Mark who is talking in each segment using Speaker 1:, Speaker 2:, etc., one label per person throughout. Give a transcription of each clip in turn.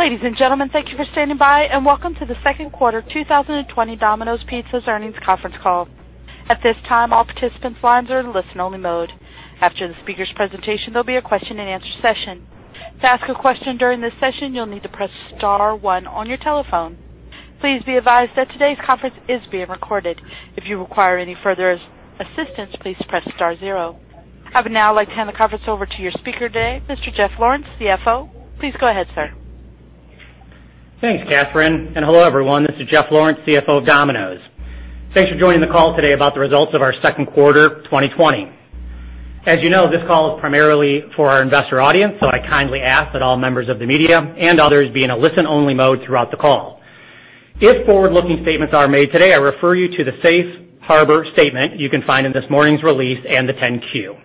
Speaker 1: Ladies and gentlemen, thank you for standing by, and welcome to the second quarter 2020 Domino's Pizza's earnings conference call. At this time, all participants' lines are in listen-only mode. After the speaker's presentation, there'll be a question and answer session. To ask a question during this session, you'll need to press star one on your telephone. Please be advised that today's conference is being recorded. If you require any further assistance, please press star zero. I would now like to hand the conference over to your speaker today, Mr. Jeffrey Lawrence, CFO. Please go ahead, sir.
Speaker 2: Thanks, Catherine. Hello, everyone. This is Jeffrey Lawrence, CFO of Domino's. Thanks for joining the call today about the results of our second quarter 2020. As you know, this call is primarily for our investor audience. I kindly ask that all members of the media and others be in a listen-only mode throughout the call. If forward-looking statements are made today, I refer you to the safe harbor statement you can find in this morning's release and the 10-Q.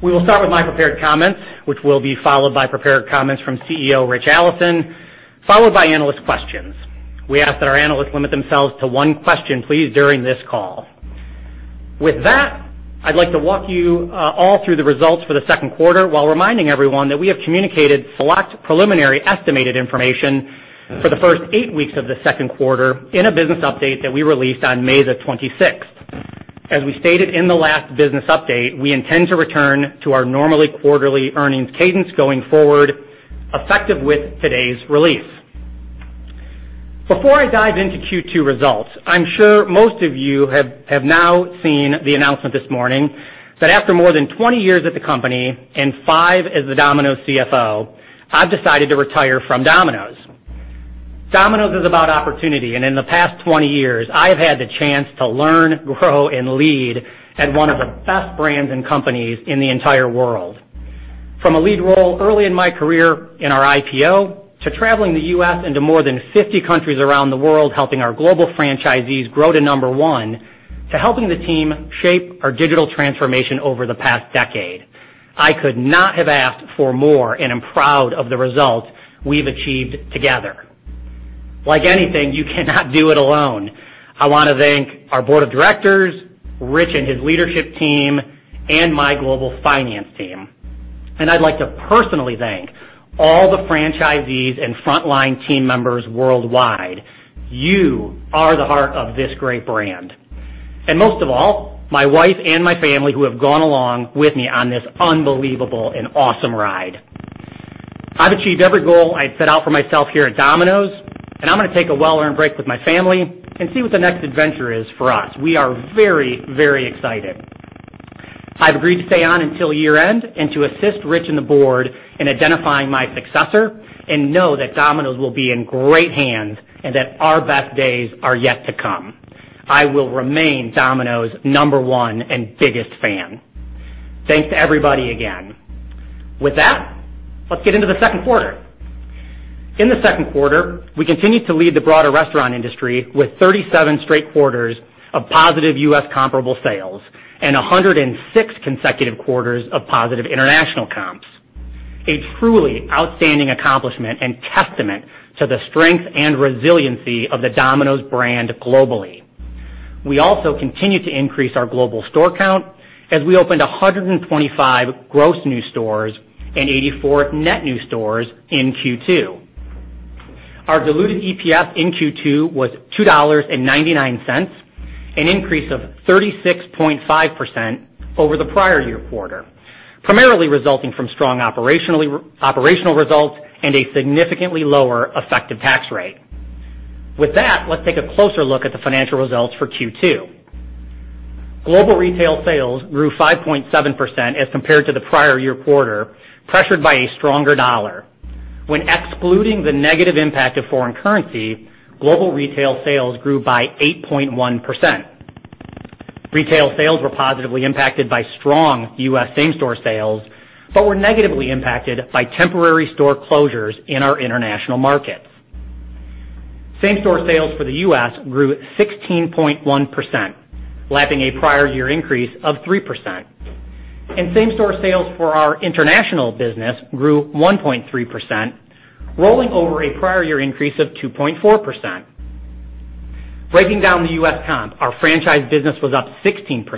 Speaker 2: We will start with my prepared comments, which will be followed by prepared comments from CEO, Ritch Allison, followed by analyst questions. We ask that our analysts limit themselves to one question, please, during this call. With that, I'd like to walk you all through the results for the second quarter, while reminding everyone that we have communicated select preliminary estimated information for the first eight weeks of the second quarter in a business update that we released on May the 26th. As we stated in the last business update, we intend to return to our normally quarterly earnings cadence going forward, effective with today's release. Before I dive into Q2 results, I'm sure most of you have now seen the announcement this morning that after more than 20 years at the company and five as the Domino's CFO, I've decided to retire from Domino's. Domino's is about opportunity, in the past 20 years, I have had the chance to learn, grow, and lead at one of the best brands and companies in the entire world. From a lead role early in my career in our IPO, to traveling the U.S. into more than 50 countries around the world, helping our global franchisees grow to number one, to helping the team shape our digital transformation over the past decade. I could not have asked for more, and am proud of the results we've achieved together. Like anything, you cannot do it alone. I want to thank our board of directors, Ritch and his leadership team, and my global finance team. I'd like to personally thank all the franchisees and frontline team members worldwide. You are the heart of this great brand. Most of all, my wife and my family, who have gone along with me on this unbelievable and awesome ride. I've achieved every goal I'd set out for myself here at Domino's. I'm going to take a well-earned break with my family and see what the next adventure is for us. We are very, very excited. I've agreed to stay on until year-end and to assist Ritch and the board in identifying my successor. Know that Domino's will be in great hands and that our best days are yet to come. I will remain Domino's number one and biggest fan. Thanks to everybody again. With that, let's get into the second quarter. In the second quarter, we continued to lead the broader restaurant industry with 37 straight quarters of positive U.S. comparable sales. 106 consecutive quarters of positive international comps. A truly outstanding accomplishment and testament to the strength and resiliency of the Domino's brand globally. We also continue to increase our global store count as we opened 125 gross new stores and 84 net new stores in Q2. Our diluted EPS in Q2 was $2.99, an increase of 36.5% over the prior year quarter, primarily resulting from strong operational results and a significantly lower effective tax rate. With that, let's take a closer look at the financial results for Q2. Global retail sales grew 5.7% as compared to the prior year quarter, pressured by a stronger dollar. When excluding the negative impact of foreign currency, global retail sales grew by 8.1%. Retail sales were positively impacted by strong U.S. same-store sales, but were negatively impacted by temporary store closures in our international markets. Same-store sales for the U.S. grew 16.1%, lapping a prior year increase of 3%. Same-store sales for our international business grew 1.3%, rolling over a prior year increase of 2.4%. Breaking down the U.S. comp, our franchise business was up 16%,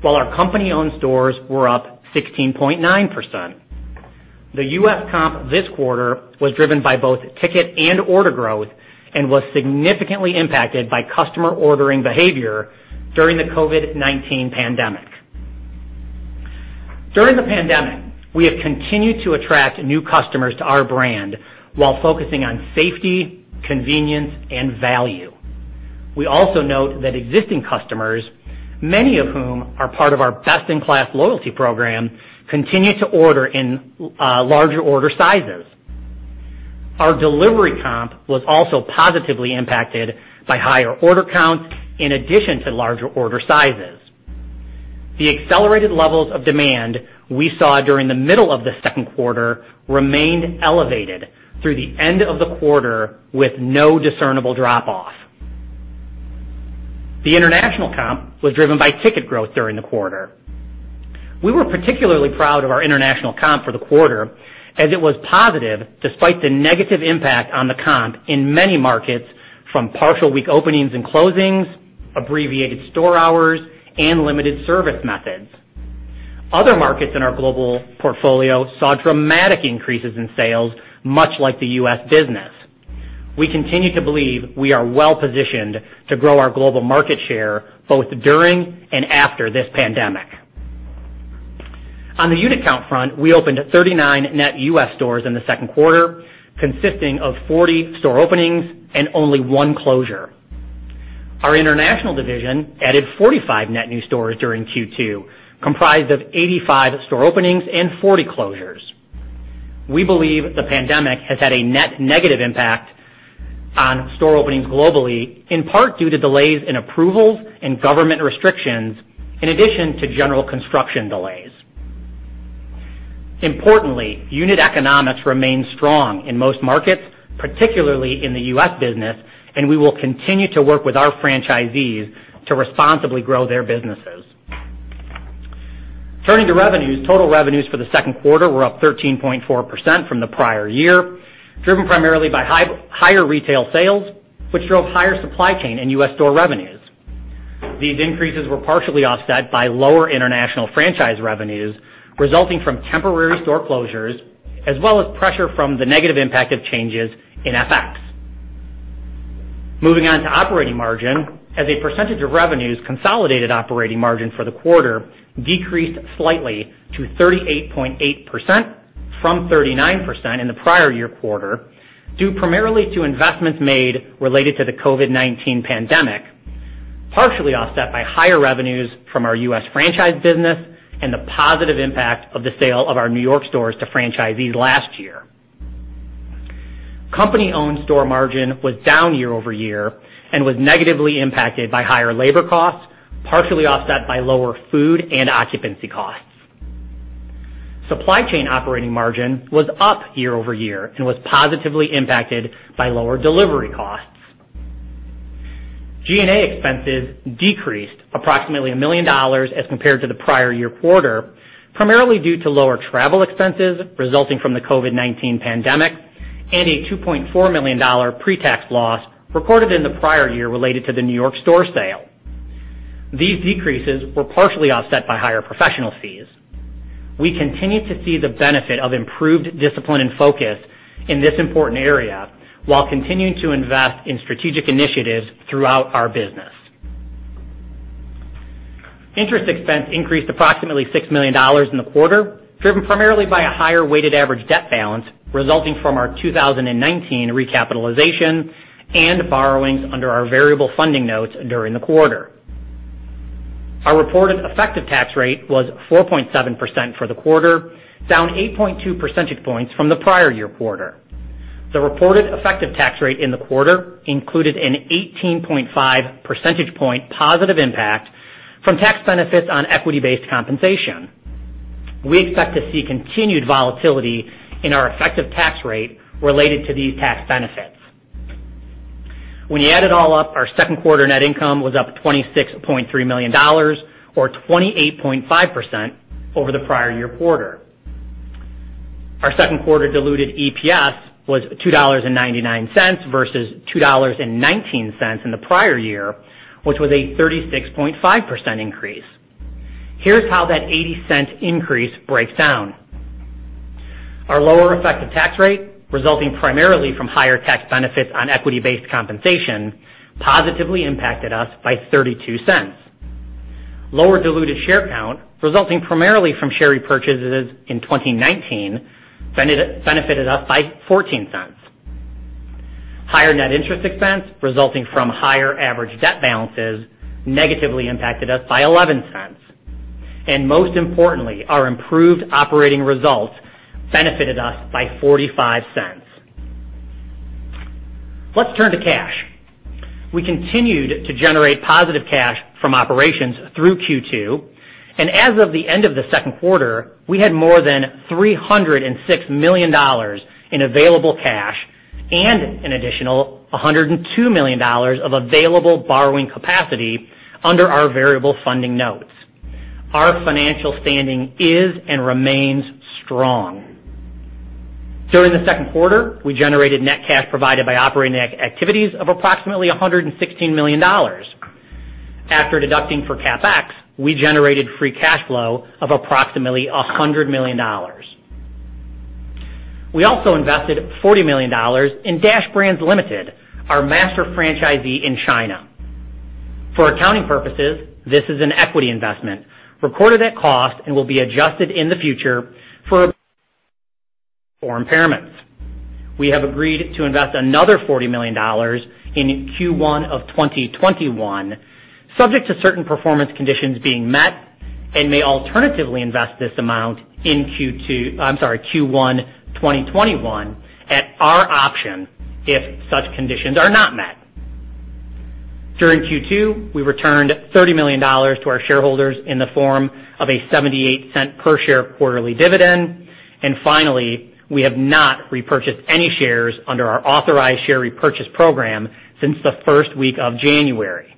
Speaker 2: while our company-owned stores were up 16.9%. The U.S. comp this quarter was driven by both ticket and order growth and was significantly impacted by customer ordering behavior during the COVID-19 pandemic. During the pandemic, we have continued to attract new customers to our brand while focusing on safety, convenience, and value. We also note that existing customers, many of whom are part of our best-in-class loyalty program, continue to order in larger order sizes. Our delivery comp was also positively impacted by higher order counts in addition to larger order sizes. The accelerated levels of demand we saw during the middle of the second quarter remained elevated through the end of the quarter with no discernible drop-off. The international comp was driven by ticket growth during the quarter. We were particularly proud of our international comp for the quarter as it was positive despite the negative impact on the comp in many markets, from partial week openings and closings, abbreviated store hours, and limited service methods. Other markets in our global portfolio saw dramatic increases in sales, much like the U.S. business. We continue to believe we are well-positioned to grow our global market share, both during and after this pandemic. On the unit count front, we opened 39 net U.S. stores in the second quarter, consisting of 40 store openings and only one closure. Our international division added 45 net new stores during Q2, comprised of 85 store openings and 40 closures. We believe the pandemic has had a net negative impact on store openings globally, in part due to delays in approvals and government restrictions, in addition to general construction delays. Importantly, unit economics remains strong in most markets, particularly in the U.S. business, and we will continue to work with our franchisees to responsibly grow their businesses. Turning to revenues, total revenues for the second quarter were up 13.4% from the prior year, driven primarily by higher retail sales, which drove higher supply chain and U.S. store revenues. These increases were partially offset by lower international franchise revenues, resulting from temporary store closures, as well as pressure from the negative impact of changes in FX. Moving on to operating margin. As a percentage of revenues, consolidated operating margin for the quarter decreased slightly to 38.8% from 39% in the prior year quarter, due primarily to investments made related to the COVID-19 pandemic, partially offset by higher revenues from our U.S. franchise business and the positive impact of the sale of our New York stores to franchisees last year. Company-owned store margin was down year-over-year and was negatively impacted by higher labor costs, partially offset by lower food and occupancy costs. Supply chain operating margin was up year-over-year and was positively impacted by lower delivery costs. G&A expenses decreased approximately $1 million as compared to the prior year quarter, primarily due to lower travel expenses resulting from the COVID-19 pandemic and a $2.4 million pre-tax loss recorded in the prior year related to the New York store sale. These decreases were partially offset by higher professional fees. We continue to see the benefit of improved discipline and focus in this important area while continuing to invest in strategic initiatives throughout our business. Interest expense increased approximately $6 million in the quarter, driven primarily by a higher weighted average debt balance resulting from our 2019 recapitalization and borrowings under our variable funding notes during the quarter. Our reported effective tax rate was 4.7% for the quarter, down 8.2 percentage points from the prior year quarter. The reported effective tax rate in the quarter included an 18.5 percentage point positive impact from tax benefits on equity-based compensation. We expect to see continued volatility in our effective tax rate related to these tax benefits. When you add it all up, our second quarter net income was up $26.3 million, or 28.5%, over the prior year quarter. Our second quarter diluted EPS was $2.99 versus $2.19 in the prior year, which was a 36.5% increase. Here's how that $0.80 increase breaks down. Our lower effective tax rate, resulting primarily from higher tax benefits on equity-based compensation, positively impacted us by $0.32. Lower diluted share count, resulting primarily from share repurchases in 2019, benefited us by $0.14. Higher net interest expense resulting from higher average debt balances negatively impacted us by $0.11. Most importantly, our improved operating results benefited us by $0.45. Let's turn to cash. We continued to generate positive cash from operations through Q2, and as of the end of the second quarter, we had more than $306 million in available cash and an additional $102 million of available borrowing capacity under our variable funding notes. Our financial standing is and remains strong. During the second quarter, we generated net cash provided by operating activities of approximately $116 million. After deducting for CapEx, we generated free cash flow of approximately $100 million. We also invested $40 million in Dash Brands Ltd., our master franchisee in China. For accounting purposes, this is an equity investment recorded at cost and will be adjusted in the future for impairments. We have agreed to invest another $40 million in Q1 of 2021, subject to certain performance conditions being met, and may alternatively invest this amount in Q1 2021 at our option if such conditions are not met. During Q2, we returned $30 million to our shareholders in the form of a $0.78 per share quarterly dividend. Finally, we have not repurchased any shares under our authorized share repurchase program since the first week of January.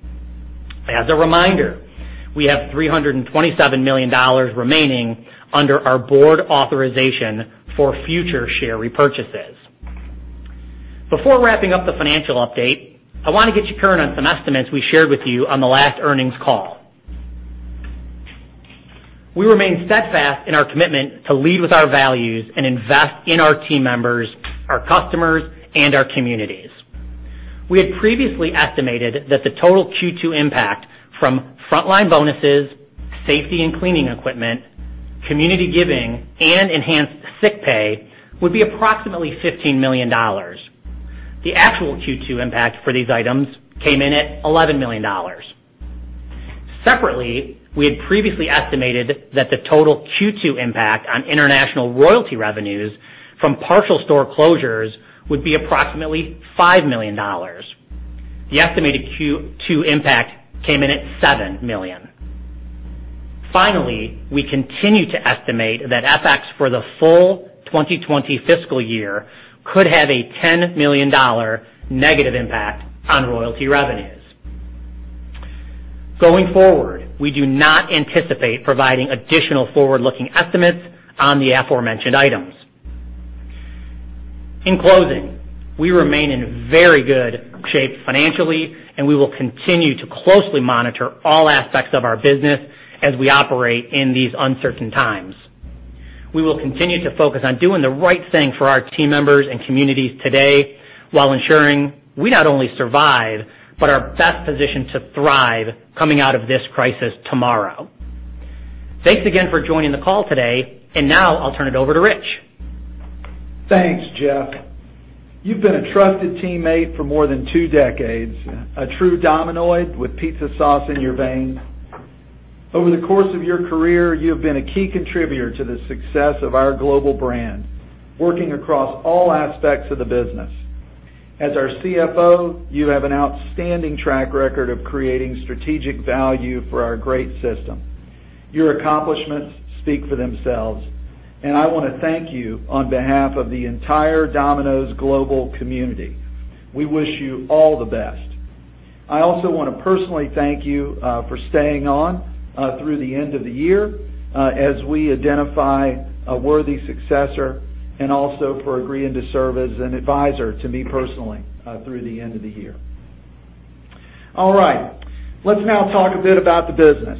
Speaker 2: As a reminder, we have $327 million remaining under our board authorization for future share repurchases. Before wrapping up the financial update, I want to get you current on some estimates we shared with you on the last earnings call. We remain steadfast in our commitment to lead with our values and invest in our team members, our customers, and our communities. We had previously estimated that the total Q2 impact from frontline bonuses, safety and cleaning equipment, community giving, and enhanced sick pay would be approximately $15 million. The actual Q2 impact for these items came in at $11 million. Separately, we had previously estimated that the total Q2 impact on international royalty revenues from partial store closures would be approximately $5 million. The estimated Q2 impact came in at $7 million. We continue to estimate that FX for the full 2020 fiscal year could have a $10 million negative impact on royalty revenues. Going forward, we do not anticipate providing additional forward-looking estimates on the aforementioned items. In closing, we remain in very good shape financially, we will continue to closely monitor all aspects of our business as we operate in these uncertain times. We will continue to focus on doing the right thing for our team members and communities today, while ensuring we not only survive, but are best positioned to thrive coming out of this crisis tomorrow. Thanks again for joining the call today, now I'll turn it over to Ritch.
Speaker 3: Thanks, Jeff. You've been a trusted teammate for more than two decades, a true Dominoid with pizza sauce in your veins. Over the course of your career, you have been a key contributor to the success of our global brand, working across all aspects of the business. As our CFO, you have an outstanding track record of creating strategic value for our great system. Your accomplishments speak for themselves, and I want to thank you on behalf of the entire Domino's global community. We wish you all the best. I also want to personally thank you for staying on through the end of the year as we identify a worthy successor, and also for agreeing to serve as an advisor to me personally through the end of the year. All right. Let's now talk a bit about the business.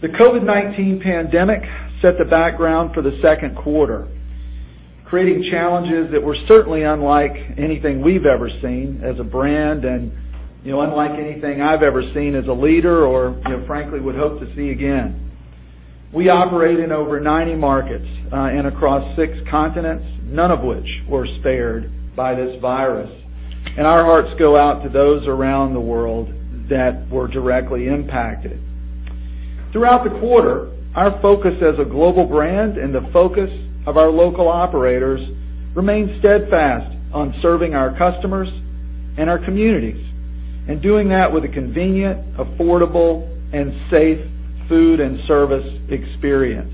Speaker 3: The COVID-19 pandemic set the background for the second quarter, creating challenges that were certainly unlike anything we've ever seen as a brand and unlike anything I've ever seen as a leader, or frankly would hope to see again. We operate in over 90 markets and across six continents, none of which were spared by this virus. Our hearts go out to those around the world that were directly impacted. Throughout the quarter, our focus as a global brand and the focus of our local operators remained steadfast on serving our customers and our communities, and doing that with a convenient, affordable, and safe food and service experience.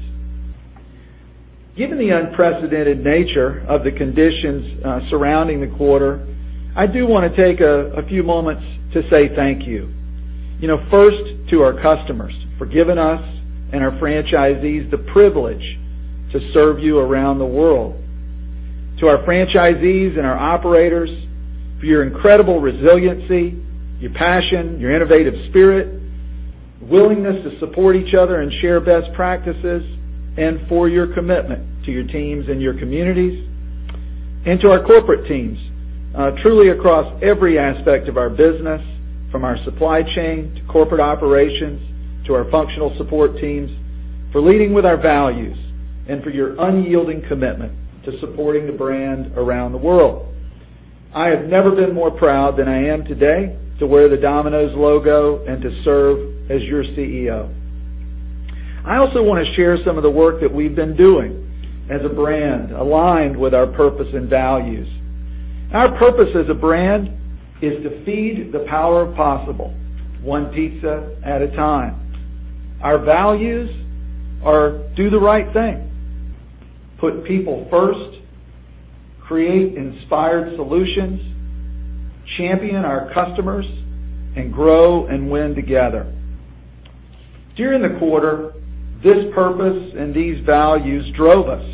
Speaker 3: Given the unprecedented nature of the conditions surrounding the quarter, I do want to take a few moments to say thank you. First, to our customers for giving us and our franchisees the privilege to serve you around the world. To our franchisees and our operators, for your incredible resiliency, your passion, your innovative spirit, willingness to support each other and share best practices, and for your commitment to your teams and your communities. To our corporate teams, truly across every aspect of our business, from our supply chain to corporate operations, to our functional support teams, for leading with our values and for your unyielding commitment to supporting the brand around the world. I have never been more proud than I am today to wear the Domino's logo and to serve as your CEO. I also want to share some of the work that we've been doing as a brand, aligned with our purpose and values. Our purpose as a brand is to feed the power of possible one pizza at a time. Our values are do the right thing, put people first, create inspired solutions, champion our customers, and grow and win together. During the quarter, this purpose and these values drove us.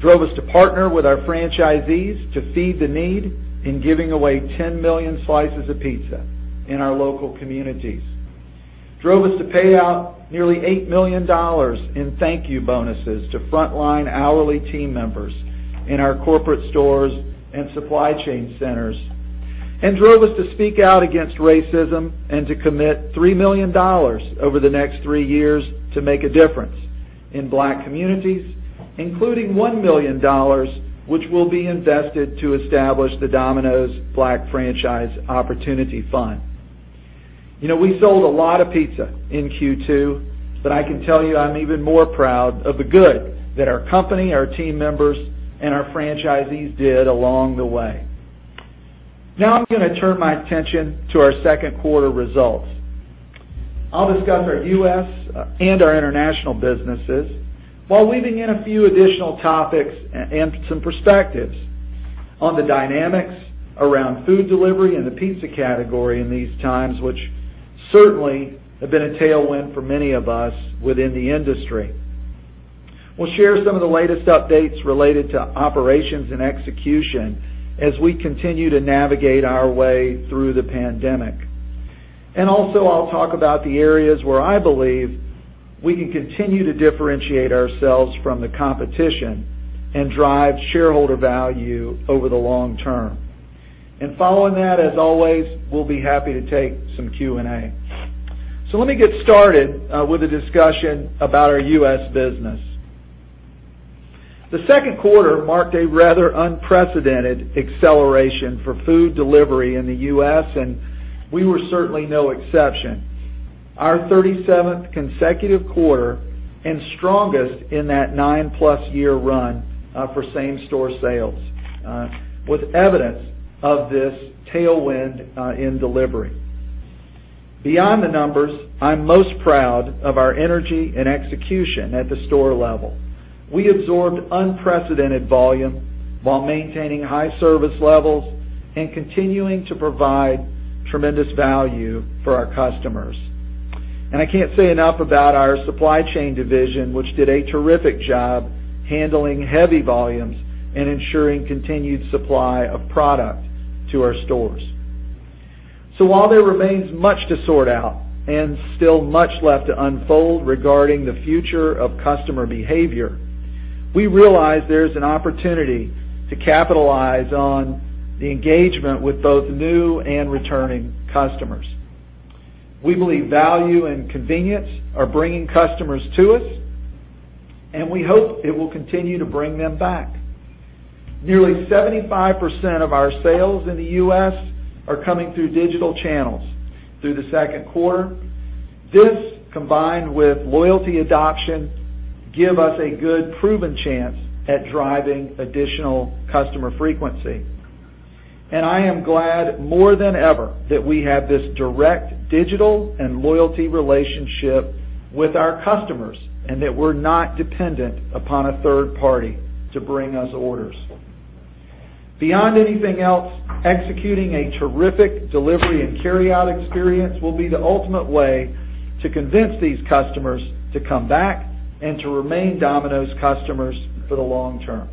Speaker 3: Drove us to partner with our franchisees to Feed the Need in giving away 10 million slices of pizza in our local communities. Drove us to pay out nearly $8 million in thank you bonuses to frontline hourly team members in our corporate stores and supply chain centers. Drove us to speak out against racism and to commit $3 million over the next three years to make a difference in Black communities, including $1 million which will be invested to establish the Domino's Black Franchisee Opportunity Fund. We sold a lot of pizza in Q2, but I can tell you I'm even more proud of the good that our company, our team members, and our franchisees did along the way. Now I'm going to turn my attention to our second quarter results. I'll discuss our U.S. and our international businesses while weaving in a few additional topics and some perspectives on the dynamics around food delivery and the pizza category in these times, which certainly have been a tailwind for many of us within the industry. We'll share some of the latest updates related to operations and execution as we continue to navigate our way through the pandemic. Also, I'll talk about the areas where I believe we can continue to differentiate ourselves from the competition and drive shareholder value over the long term. Following that, as always, we'll be happy to take some Q&A. Let me get started with a discussion about our U.S. business. The second quarter marked a rather unprecedented acceleration for food delivery in the U.S., and we were certainly no exception. Our 37th consecutive quarter, strongest in that nine-plus year run for same-store sales with evidence of this tailwind in delivery. Beyond the numbers, I'm most proud of our energy and execution at the store level. I absorbed unprecedented volume while maintaining high service levels and continuing to provide tremendous value for our customers. I can't say enough about our supply chain division, which did a terrific job handling heavy volumes and ensuring continued supply of product to our stores. While there remains much to sort out and still much left to unfold regarding the future of customer behavior, we realize there's an opportunity to capitalize on the engagement with both new and returning customers. We believe value and convenience are bringing customers to us, and we hope it will continue to bring them back. Nearly 75% of our sales in the U.S. are coming through digital channels through the second quarter. This, combined with loyalty adoption, give us a good, proven chance at driving additional customer frequency. I am glad more than ever that we have this direct digital and loyalty relationship with our customers, and that we're not dependent upon a third party to bring us orders. Beyond anything else, executing a terrific delivery and carryout experience will be the ultimate way to convince these customers to come back and to remain Domino's customers for the long term.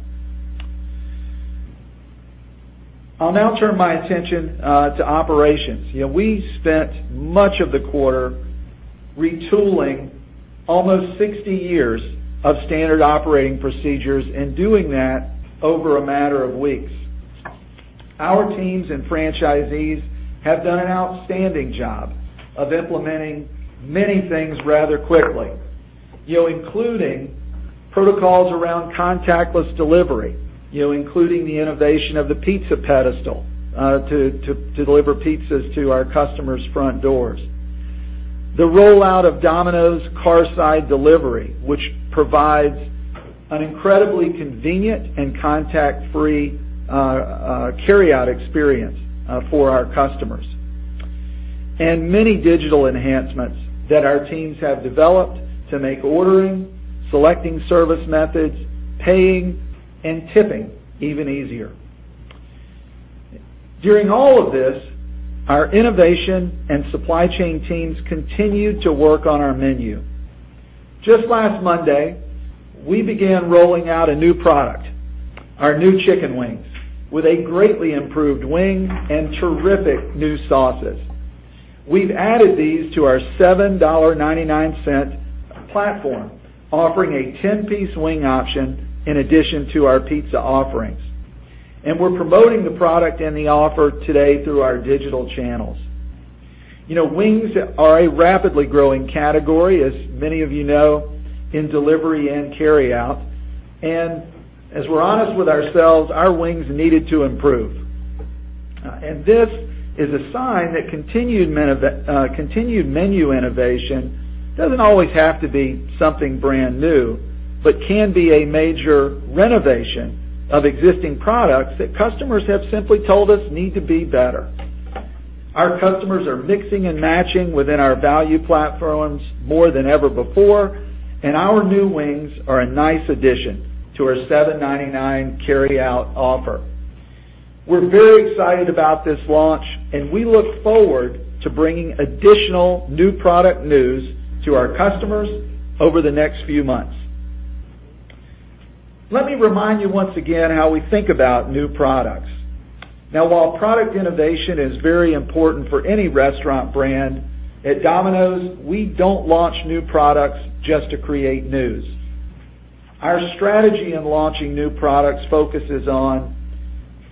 Speaker 3: I'll now turn my attention to operations. We spent much of the quarter retooling almost 60 years of standard operating procedures, and doing that over a matter of weeks. Our teams and franchisees have done an outstanding job of implementing many things rather quickly, including protocols around contactless delivery, including the innovation of the Pizza Pedestal to deliver pizzas to our customers' front doors, the rollout of Domino's Carside Delivery, which provides an incredibly convenient and contact-free carryout experience for our customers, and many digital enhancements that our teams have developed to make ordering, selecting service methods, paying, and tipping even easier. During all of this, our innovation and supply chain teams continued to work on our menu. Just last Monday, we began rolling out a new product, our new chicken wings, with a greatly improved wing and terrific new sauces. We've added these to our $7.99 platform, offering a 10-piece wing option in addition to our pizza offerings. We're promoting the product and the offer today through our digital channels. Wings are a rapidly growing category, as many of you know, in delivery and carryout. As we're honest with ourselves, our wings needed to improve. This is a sign that continued menu innovation doesn't always have to be something brand new, but can be a major renovation of existing products that customers have simply told us need to be better. Our customers are mixing and matching within our value platforms more than ever before, and our new wings are a nice addition to our $7.99 carryout offer. We're very excited about this launch, and we look forward to bringing additional new product news to our customers over the next few months. Let me remind you once again how we think about new products. While product innovation is very important for any restaurant brand, at Domino's, we don't launch new products just to create news. Our strategy in launching new products focuses on,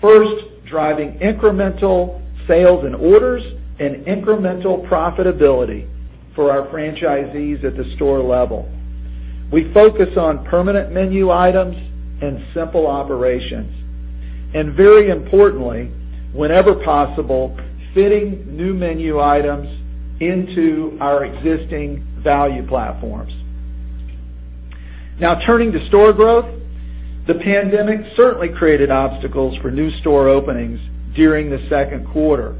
Speaker 3: first, driving incremental sales and orders and incremental profitability for our franchisees at the store level. We focus on permanent menu items and simple operations, and very importantly, whenever possible, fitting new menu items into our existing value platforms. Now turning to store growth. The pandemic certainly created obstacles for new store openings during the second quarter.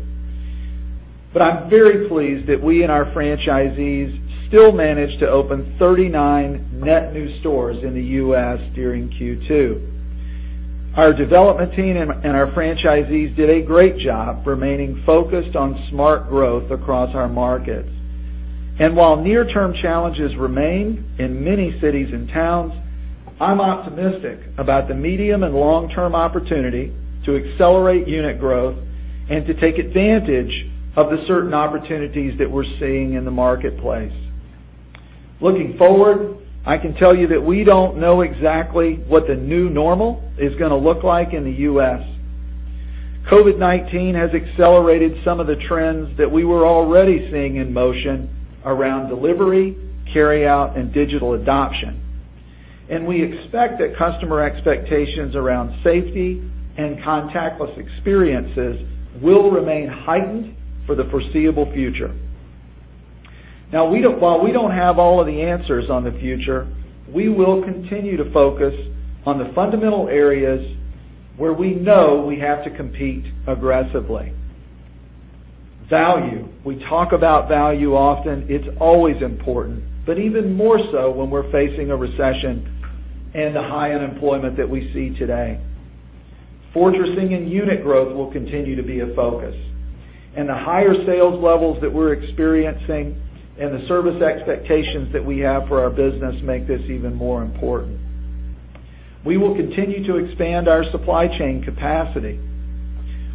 Speaker 3: I'm very pleased that we and our franchisees still managed to open 39 net new stores in the U.S. during Q2. Our development team and our franchisees did a great job remaining focused on smart growth across our markets. While near-term challenges remain in many cities and towns, I'm optimistic about the medium and long-term opportunity to accelerate unit growth and to take advantage of the certain opportunities that we're seeing in the marketplace. Looking forward, I can tell you that we don't know exactly what the new normal is going to look like in the U.S. COVID-19 has accelerated some of the trends that we were already seeing in motion around delivery, carryout, and digital adoption. We expect that customer expectations around safety and contactless experiences will remain heightened for the foreseeable future. While we don't have all of the answers on the future, we will continue to focus on the fundamental areas where we know we have to compete aggressively. Value. We talk about value often. It's always important, but even more so when we're facing a recession and the high unemployment that we see today. Fortressing and unit growth will continue to be a focus, and the higher sales levels that we're experiencing and the service expectations that we have for our business make this even more important. We will continue to expand our supply chain capacity.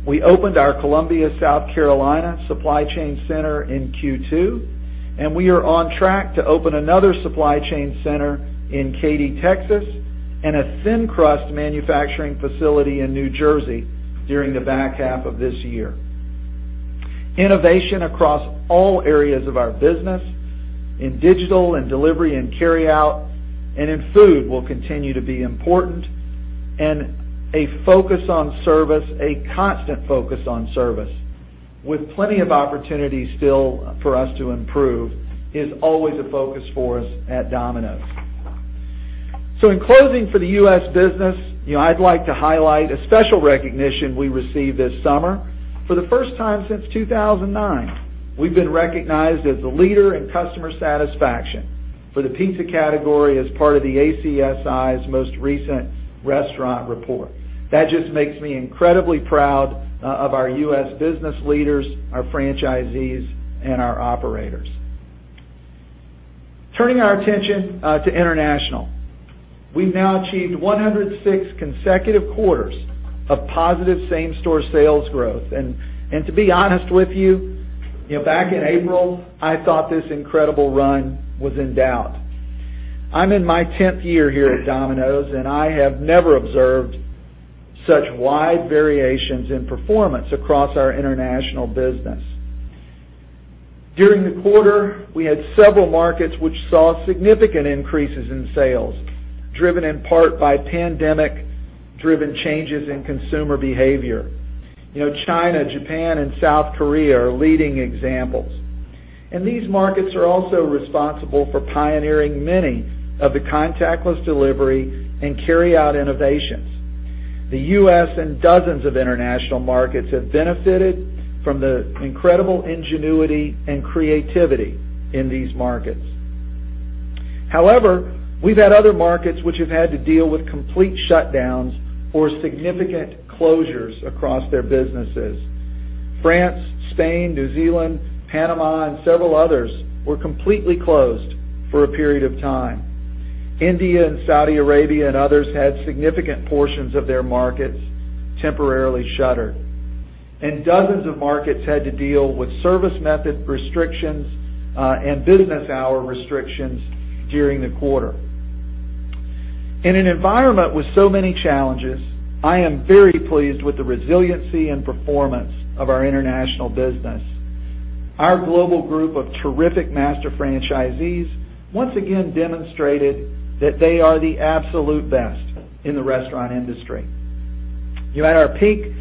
Speaker 3: We opened our Columbia, South Carolina supply chain center in Q2. We are on track to open another supply chain center in Katy, Texas, and a thin crust manufacturing facility in New Jersey during the back half of this year. Innovation across all areas of our business, in digital, in delivery, in carryout, and in food will continue to be important. A focus on service, a constant focus on service, with plenty of opportunities still for us to improve, is always a focus for us at Domino's. In closing for the U.S. business, I'd like to highlight a special recognition we received this summer. For the first time since 2009, we've been recognized as the leader in customer satisfaction for the pizza category as part of the ACSI's most recent restaurant report. That just makes me incredibly proud of our U.S. business leaders, our franchisees, and our operators. Turning our attention to international. We've now achieved 106 consecutive quarters of positive same-store sales growth. To be honest with you, back in April, I thought this incredible run was in doubt. I'm in my tenth year here at Domino's, and I have never observed such wide variations in performance across our international business. During the quarter, we had several markets which saw significant increases in sales, driven in part by pandemic-driven changes in consumer behavior. China, Japan, and South Korea are leading examples. These markets are also responsible for pioneering many of the contactless delivery and carryout innovations. The U.S. and dozens of international markets have benefited from the incredible ingenuity and creativity in these markets. However, we've had other markets which have had to deal with complete shutdowns or significant closures across their businesses. France, Spain, New Zealand, Panama, and several others were completely closed for a period of time. India and Saudi Arabia and others had significant portions of their markets temporarily shuttered. Dozens of markets had to deal with service method restrictions and business hour restrictions during the quarter. In an environment with so many challenges, I am very pleased with the resiliency and performance of our international business. Our global group of terrific master franchisees once again demonstrated that they are the absolute best in the restaurant industry. At our peak,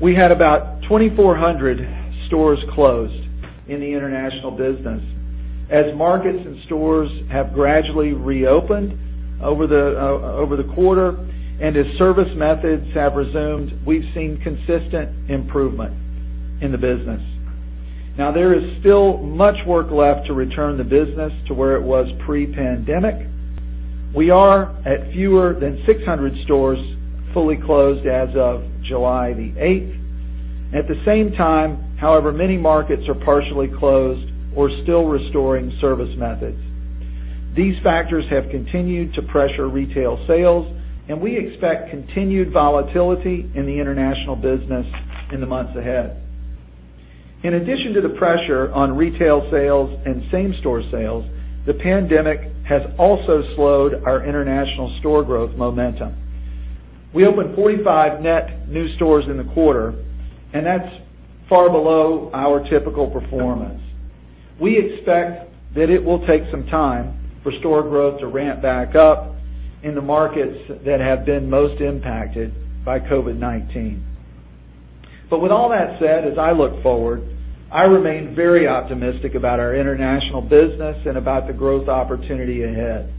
Speaker 3: we had about 2,400 stores closed in the international business. As markets and stores have gradually reopened over the quarter and as service methods have resumed, we've seen consistent improvement in the business. Now, there is still much work left to return the business to where it was pre-pandemic. We are at fewer than 600 stores fully closed as of July the 8th. At the same time, however, many markets are partially closed or still restoring service methods. These factors have continued to pressure retail sales, and we expect continued volatility in the international business in the months ahead. In addition to the pressure on retail sales and same-store sales, the pandemic has also slowed our international store growth momentum. We opened 45 net new stores in the quarter, and that's far below our typical performance. We expect that it will take some time for store growth to ramp back up in the markets that have been most impacted by COVID-19. With all that said, as I look forward, I remain very optimistic about our international business and about the growth opportunity ahead.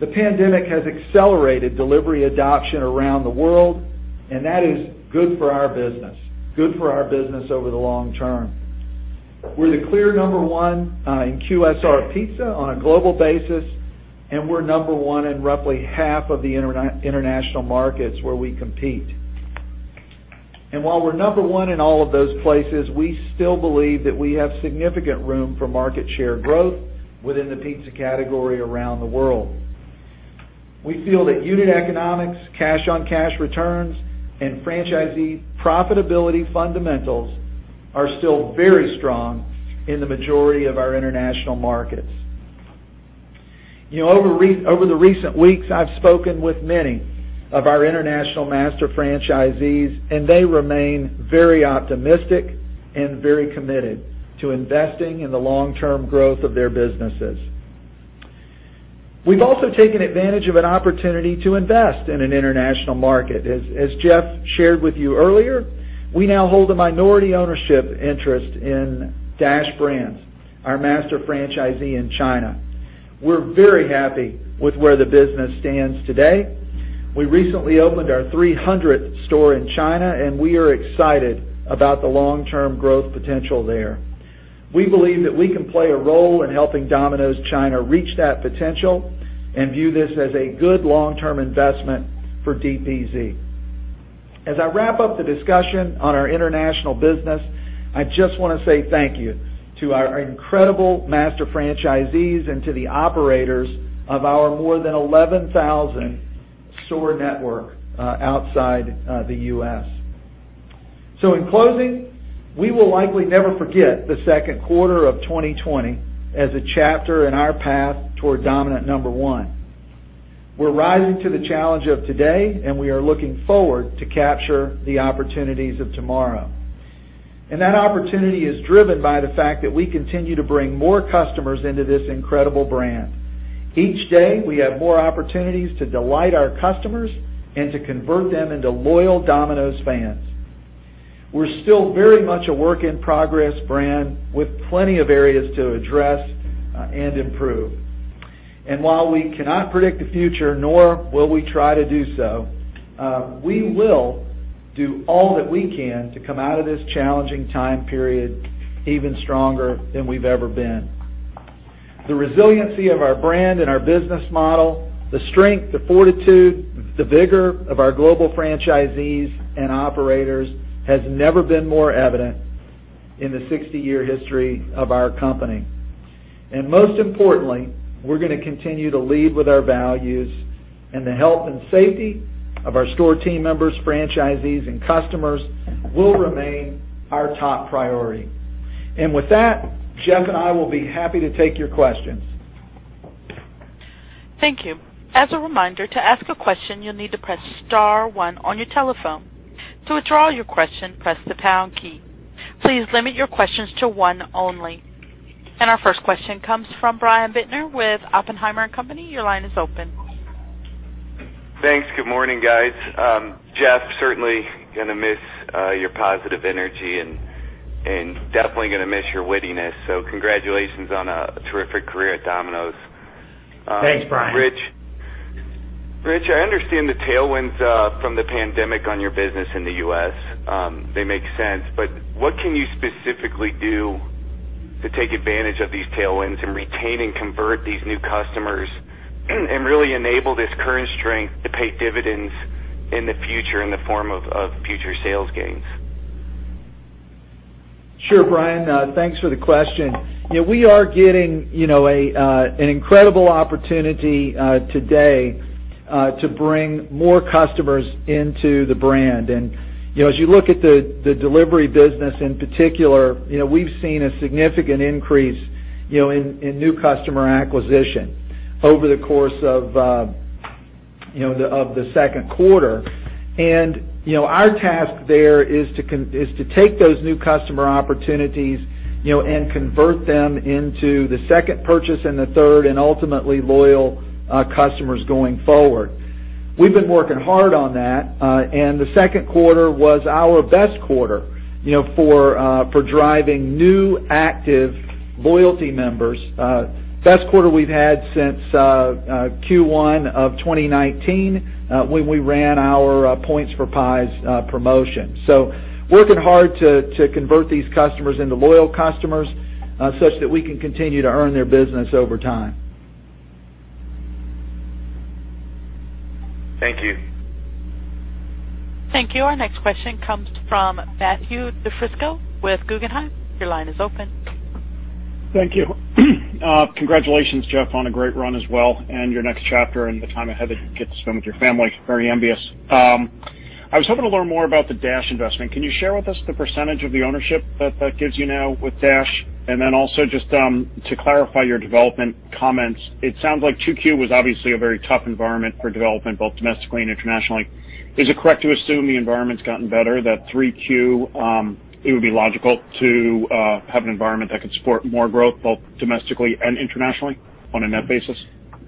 Speaker 3: The pandemic has accelerated delivery adoption around the world, and that is good for our business. Good for our business over the long term. We're the clear number one in QSR pizza on a global basis. We're number one in roughly half of the international markets where we compete. While we're number one in all of those places, we still believe that we have significant room for market share growth within the pizza category around the world. We feel that unit economics, cash-on-cash returns, and franchisee profitability fundamentals are still very strong in the majority of our international markets. Over the recent weeks, I've spoken with many of our international master franchisees, and they remain very optimistic and very committed to investing in the long-term growth of their businesses. We've also taken advantage of an opportunity to invest in an international market. As Jeff shared with you earlier, we now hold a minority ownership interest in Dash Brands, our master franchisee in China. We're very happy with where the business stands today. We recently opened our 300th store in China, and we are excited about the long-term growth potential there. We believe that we can play a role in helping Domino's China reach that potential and view this as a good long-term investment for DPZ. As I wrap up the discussion on our international business, I just want to say thank you to our incredible master franchisees and to the operators of our more than 11,000 store network outside the U.S. In closing, we will likely never forget the second quarter of 2020 as a chapter in our path toward dominant number one. We're rising to the challenge of today, and we are looking forward to capture the opportunities of tomorrow. That opportunity is driven by the fact that we continue to bring more customers into this incredible brand. Each day, we have more opportunities to delight our customers and to convert them into loyal Domino's fans. We're still very much a work-in-progress brand with plenty of areas to address and improve. While we cannot predict the future, nor will we try to do so, we will do all that we can to come out of this challenging time period even stronger than we've ever been. The resiliency of our brand and our business model, the strength, the fortitude, the vigor of our global franchisees and operators has never been more evident in the 60-year history of our company. Most importantly, we're going to continue to lead with our values and the health and safety of our store team members, franchisees, and customers will remain our top priority. With that, Jeff and I will be happy to take your questions.
Speaker 1: Thank you. As a reminder, to ask a question, you'll need to press star one on your telephone. To withdraw your question, press the pound key. Please limit your questions to one only. Our first question comes from Brian Bittner with Oppenheimer & Co. Your line is open.
Speaker 4: Thanks. Good morning, guys. Jeff, certainly going to miss your positive energy and definitely going to miss your wittiness. Congratulations on a terrific career at Domino's.
Speaker 3: Thanks, Brian.
Speaker 4: Ritch, I understand the tailwinds from the pandemic on your business in the U.S. They make sense, what can you specifically do to take advantage of these tailwinds and retain and convert these new customers and really enable this current strength to pay dividends in the future in the form of future sales gains?
Speaker 3: Sure, Brian. Thanks for the question. We are getting an incredible opportunity today to bring more customers into the brand. As you look at the delivery business in particular, we've seen a significant increase in new customer acquisition over the course of the second quarter. Our task there is to take those new customer opportunities and convert them into the second purchase and the third, and ultimately loyal customers going forward. We've been working hard on that. The second quarter was our best quarter for driving new active loyalty members. Best quarter we've had since Q1 of 2019, when we ran our Points for Pies promotion. Working hard to convert these customers into loyal customers such that we can continue to earn their business over time.
Speaker 4: Thank you.
Speaker 1: Thank you. Our next question comes from Matthew DiFrisco with Guggenheim. Your line is open.
Speaker 5: Thank you. Congratulations, Jeff, on a great run as well and your next chapter and the time ahead that you get to spend with your family. Very envious. I was hoping to learn more about the Dash investment. Can you share with us the percentage of the ownership that that gives you now with Dash? Also just to clarify your development comments, it sounds like 2Q was obviously a very tough environment for development, both domestically and internationally. Is it correct to assume the environment's gotten better, that 3Q, it would be logical to have an environment that could support more growth, both domestically and internationally on a net basis?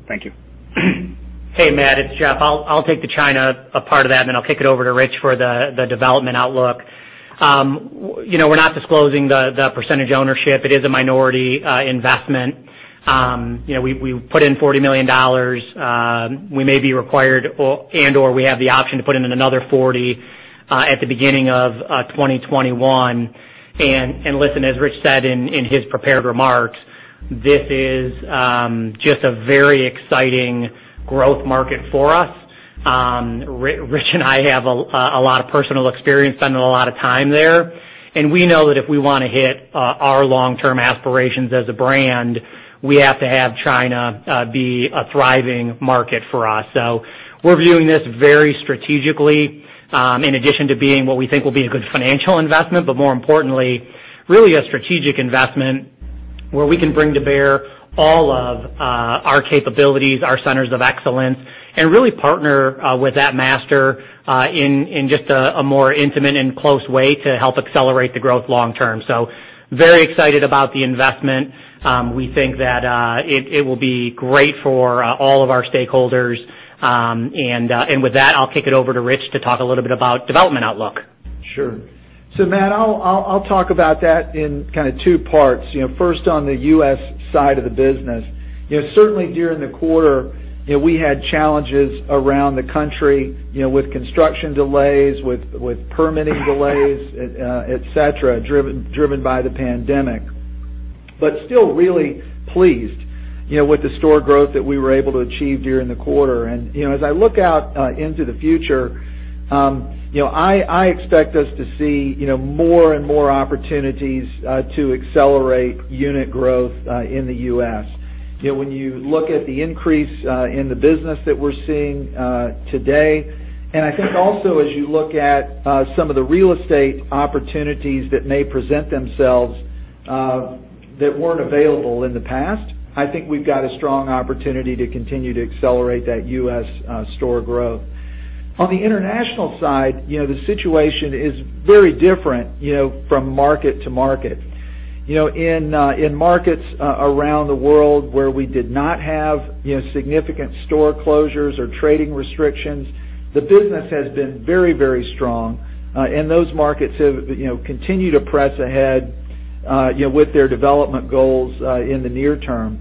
Speaker 5: Thank you.
Speaker 2: Hey, Matt, it's Jeff. I'll take the China part of that, and then I'll kick it over to Ritch for the development outlook. We're not disclosing the percentage ownership. It is a minority investment. We put in $40 million. We may be required, and/or we have the option to put in another $40 million at the beginning of 2021. Listen, as Ritch said in his prepared remarks, this is just a very exciting growth market for us. Ritch and I have a lot of personal experience spending a lot of time there, and we know that if we want to hit our long-term aspirations as a brand, we have to have China be a thriving market for us. We're viewing this very strategically, in addition to being what we think will be a good financial investment, but more importantly, really a strategic investment where we can bring to bear all of our capabilities, our centers of excellence, and really partner with that master in just a more intimate and close way to help accelerate the growth long term. Very excited about the investment. We think that it will be great for all of our stakeholders. With that, I'll kick it over to Ritch to talk a little bit about development outlook.
Speaker 3: Sure. Matt, I'll talk about that in kind of two parts. First, on the U.S. side of the business. Certainly during the quarter, we had challenges around the country with construction delays, with permitting delays, et cetera, driven by the pandemic. Still really pleased with the store growth that we were able to achieve during the quarter. As I look out into the future, I expect us to see more and more opportunities to accelerate unit growth in the U.S. When you look at the increase in the business that we're seeing today, and I think also as you look at some of the real estate opportunities that may present themselves, that weren't available in the past, I think we've got a strong opportunity to continue to accelerate that U.S. store growth. On the international side, the situation is very different from market to market. In markets around the world where we did not have significant store closures or trading restrictions, the business has been very strong. Those markets have continued to press ahead with their development goals in the near term.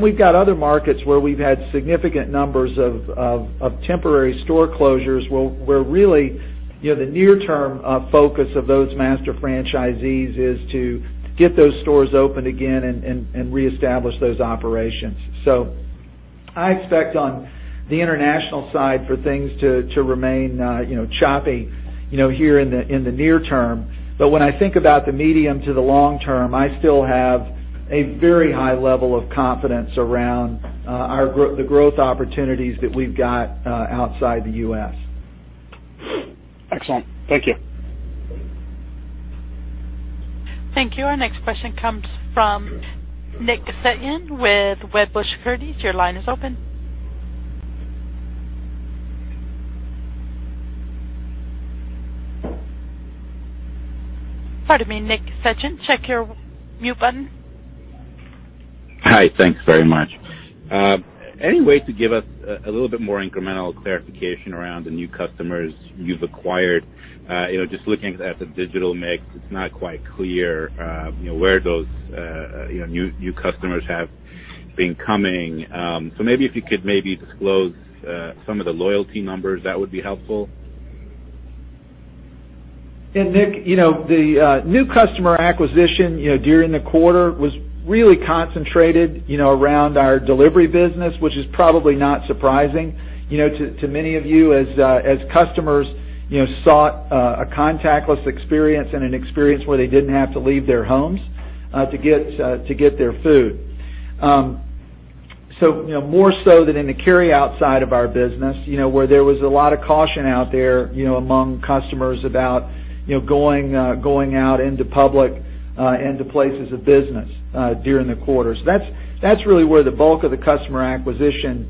Speaker 3: We've got other markets where we've had significant numbers of temporary store closures where really the near term focus of those master franchisees is to get those stores open again and reestablish those operations. I expect on the international side for things to remain choppy here in the near term. When I think about the medium to the long term, I still have a very high level of confidence around the growth opportunities that we've got outside the U.S.
Speaker 5: Excellent. Thank you.
Speaker 1: Thank you. Our next question comes from Nick Setyan with Wedbush Securities. Your line is open. Pardon me, Nick Setyan, check your mute button.
Speaker 6: Hi, thanks very much. Any way to give us a little bit more incremental clarification around the new customers you've acquired? Just looking at the digital mix, it's not quite clear where those new customers have been coming. Maybe if you could disclose some of the loyalty numbers, that would be helpful.
Speaker 3: Nick, the new customer acquisition during the quarter was really concentrated around our delivery business, which is probably not surprising to many of you as customers sought a contactless experience and an experience where they didn't have to leave their homes to get their food. More so than in the carry out side of our business, where there was a lot of caution out there among customers about going out into public, into places of business during the quarter. That's really where the bulk of the customer acquisition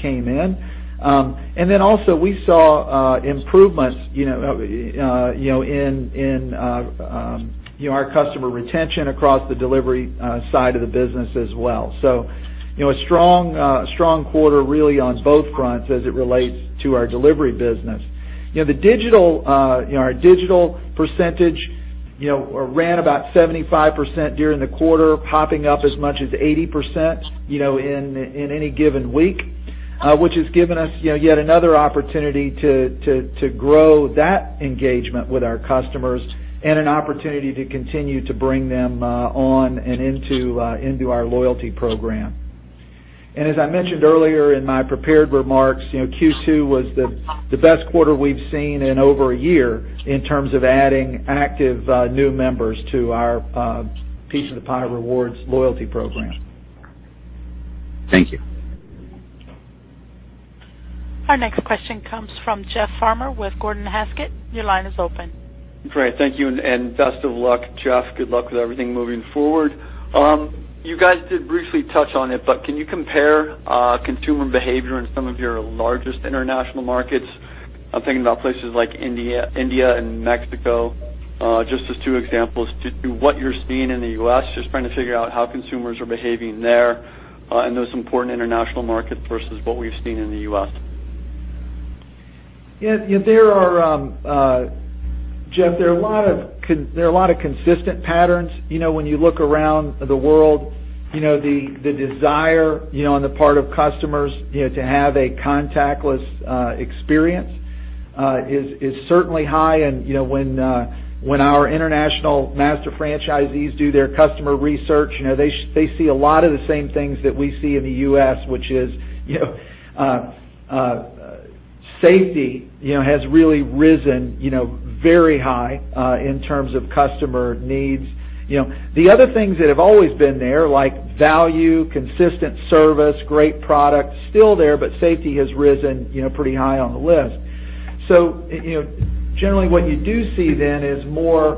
Speaker 3: came in. Then also we saw improvements in our customer retention across the delivery side of the business as well. A strong quarter really on both fronts as it relates to our delivery business. Our digital percentage ran about 75% during the quarter, popping up as much as 80% in any given week, which has given us yet another opportunity to grow that engagement with our customers and an opportunity to continue to bring them on and into our loyalty program. As I mentioned earlier in my prepared remarks, Q2 was the best quarter we've seen in over a year in terms of adding active new members to our Piece of the Pie Rewards loyalty program.
Speaker 6: Thank you.
Speaker 1: Our next question comes from Jeffrey Farmer with Gordon Haskett. Your line is open.
Speaker 7: Great. Thank you, best of luck, Jeff. Good luck with everything moving forward. You guys did briefly touch on it, can you compare consumer behavior in some of your largest international markets? I'm thinking about places like India and Mexico, just as two examples, to what you're seeing in the U.S., just trying to figure out how consumers are behaving there in those important international markets versus what we've seen in the U.S.
Speaker 3: Yeah. Jeff, there are a lot of consistent patterns. When you look around the world, the desire on the part of customers to have a contactless experience is certainly high. When our international master franchisees do their customer research, they see a lot of the same things that we see in the U.S., which is safety has really risen very high in terms of customer needs. The other things that have always been there, like value, consistent service, great product, still there, but safety has risen pretty high on the list. Generally what you do see then is more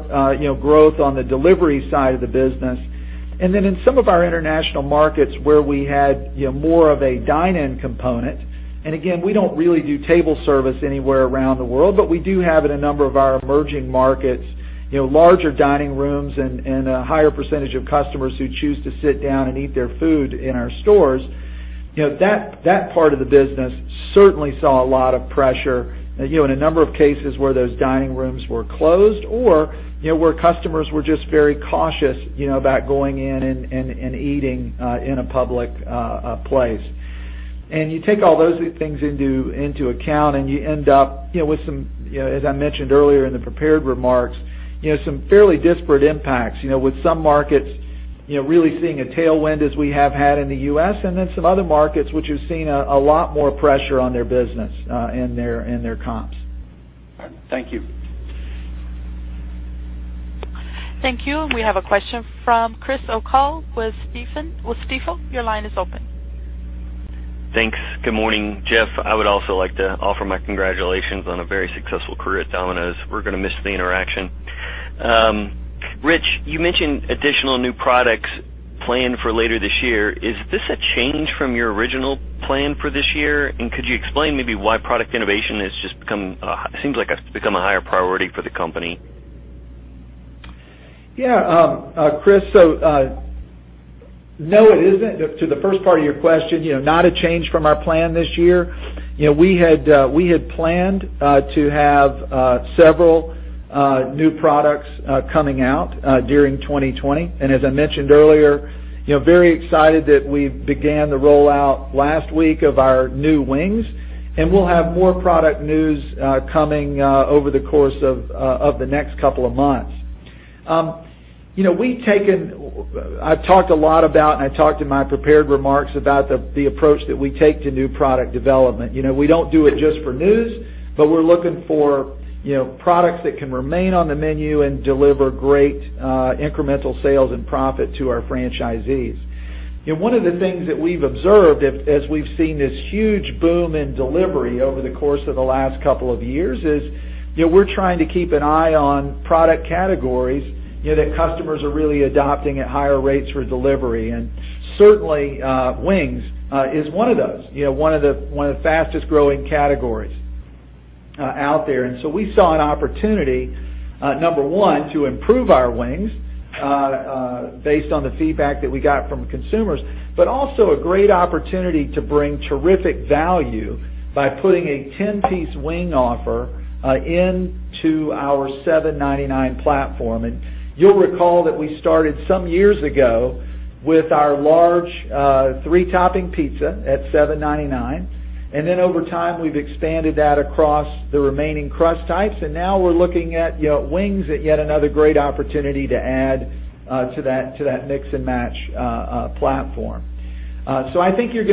Speaker 3: growth on the delivery side of the business, and then in some of our international markets where we had more of a dine-in component. Again, we don't really do table service anywhere around the world, but we do have it in a number of our emerging markets, larger dining rooms and a higher percentage of customers who choose to sit down and eat their food in our stores. That part of the business certainly saw a lot of pressure in a number of cases where those dining rooms were closed or where customers were just very cautious about going in and eating in a public place. You take all those things into account and you end up with some, as I mentioned earlier in the prepared remarks, some fairly disparate impacts. With some markets really seeing a tailwind as we have had in the U.S., and then some other markets which have seen a lot more pressure on their business and their comps.
Speaker 7: All right. Thank you.
Speaker 1: Thank you. We have a question from Chris O'Cull with Stifel. Your line is open.
Speaker 8: Thanks. Good morning, Jeff. I would also like to offer my congratulations on a very successful career at Domino's. We're going to miss the interaction. Ritch, you mentioned additional new products planned for later this year. Is this a change from your original plan for this year? Could you explain maybe why product innovation seems like it's become a higher priority for the company?
Speaker 3: Yeah. Chris, no, it isn't. To the first part of your question, not a change from our plan this year. We had planned to have several new products coming out during 2020. As I mentioned earlier, very excited that we began the rollout last week of our new wings, and we'll have more product news coming over the course of the next couple of months. I've talked a lot about, and I talked in my prepared remarks about the approach that we take to new product development. We don't do it just for news, but we're looking for products that can remain on the menu and deliver great incremental sales and profit to our franchisees. One of the things that we've observed as we've seen this huge boom in delivery over the course of the last couple of years is, we're trying to keep an eye on product categories that customers are really adopting at higher rates for delivery. Certainly, wings is one of those. One of the fastest-growing categories out there. We saw an opportunity, number one, to improve our wings, based on the feedback that we got from consumers, but also a great opportunity to bring terrific value by putting a 10-piece wing offer into our $7.99 platform. You'll recall that we started some years ago with our large three-topping pizza at $7.99. Over time, we've expanded that across the remaining crust types, and now we're looking at wings as yet another great opportunity to add to that mix and match platform. I think we're going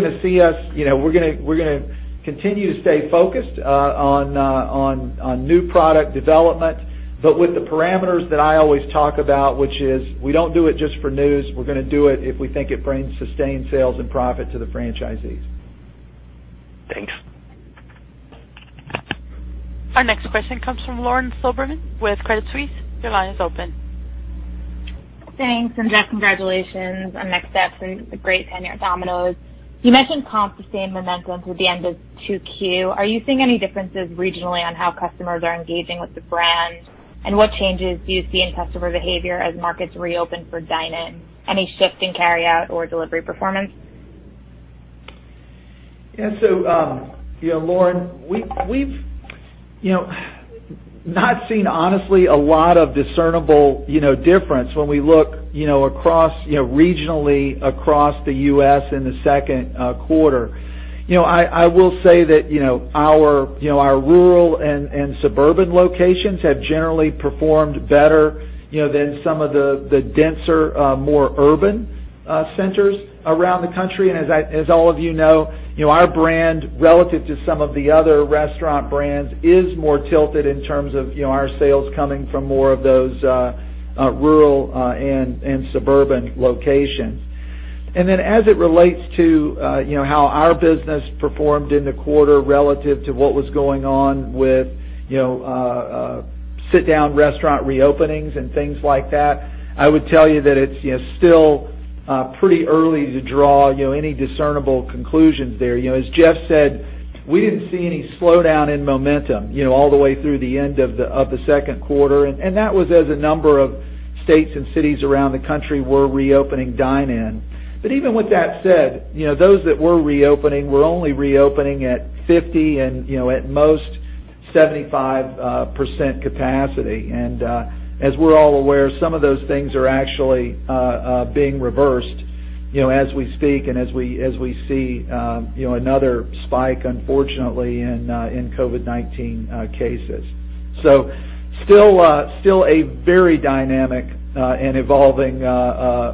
Speaker 3: to continue to stay focused on new product development, but with the parameters that I always talk about, which is we don't do it just for news. We're going to do it if we think it brings sustained sales and profit to the franchisees.
Speaker 8: Thanks.
Speaker 1: Our next question comes from Lauren Silberman with Credit Suisse. Your line is open.
Speaker 9: Thanks. Jeff, congratulations on the next step and the great tenure at Domino's. You mentioned comp sustained momentum through the end of 2Q. Are you seeing any differences regionally on how customers are engaging with the brand? What changes do you see in customer behavior as markets reopen for dine-in? Any shift in carryout or delivery performance?
Speaker 3: Yeah. Lauren, we've not seen, honestly, a lot of discernible difference when we look regionally across the U.S. in the second quarter. I will say that our rural and suburban locations have generally performed better than some of the denser, more urban centers around the country. As all of you know, our brand, relative to some of the other restaurant brands, is more tilted in terms of our sales coming from more of those rural and suburban locations. As it relates to how our business performed in the quarter relative to what was going on with sit-down restaurant reopenings and things like that, I would tell you that it's still pretty early to draw any discernible conclusions there. As Jeff said, we didn't see any slowdown in momentum all the way through the end of the second quarter. That was as a number of states and cities around the country were reopening dine-in. Even with that said, those that were reopening were only reopening at 50 and at most 75% capacity. As we're all aware, some of those things are actually being reversed as we speak and as we see another spike, unfortunately, in COVID-19 cases. Still a very dynamic and evolving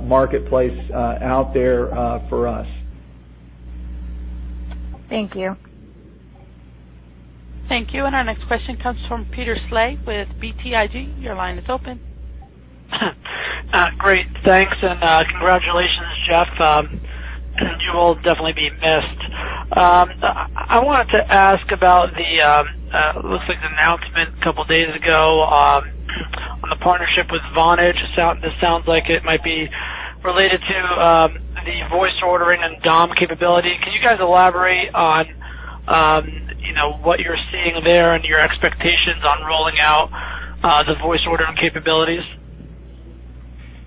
Speaker 3: marketplace out there for us.
Speaker 9: Thank you.
Speaker 1: Thank you. Our next question comes from Peter Saleh with BTIG. Your line is open.
Speaker 10: Great. Thanks, congratulations, Jeff. You will definitely be missed. I wanted to ask about the, it looks like an announcement a couple of days ago, on the partnership with Vonage. This sounds like it might be related to the voice ordering and DOM capability. Can you guys elaborate on what you're seeing there and your expectations on rolling out the voice ordering capabilities?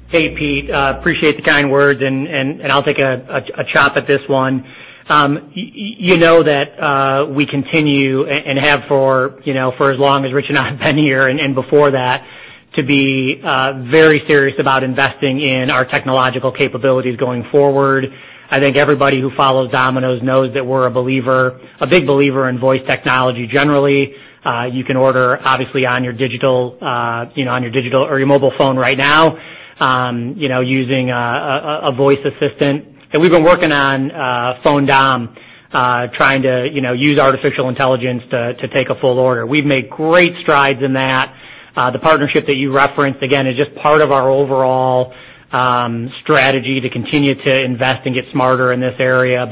Speaker 2: Hey, Pete, appreciate the kind words and I'll take a chop at this one. You know that we continue, and have for as long as Ritch and I have been here, and before that, to be very serious about investing in our technological capabilities going forward. I think everybody who follows Domino's knows that we're a big believer in voice technology. Generally, you can order obviously on your digital or your mobile phone right now using a voice assistant. We've been working on phone DOM, trying to use artificial intelligence to take a full order. We've made great strides in that. The partnership that you referenced, again, is just part of our overall strategy to continue to invest and get smarter in this area.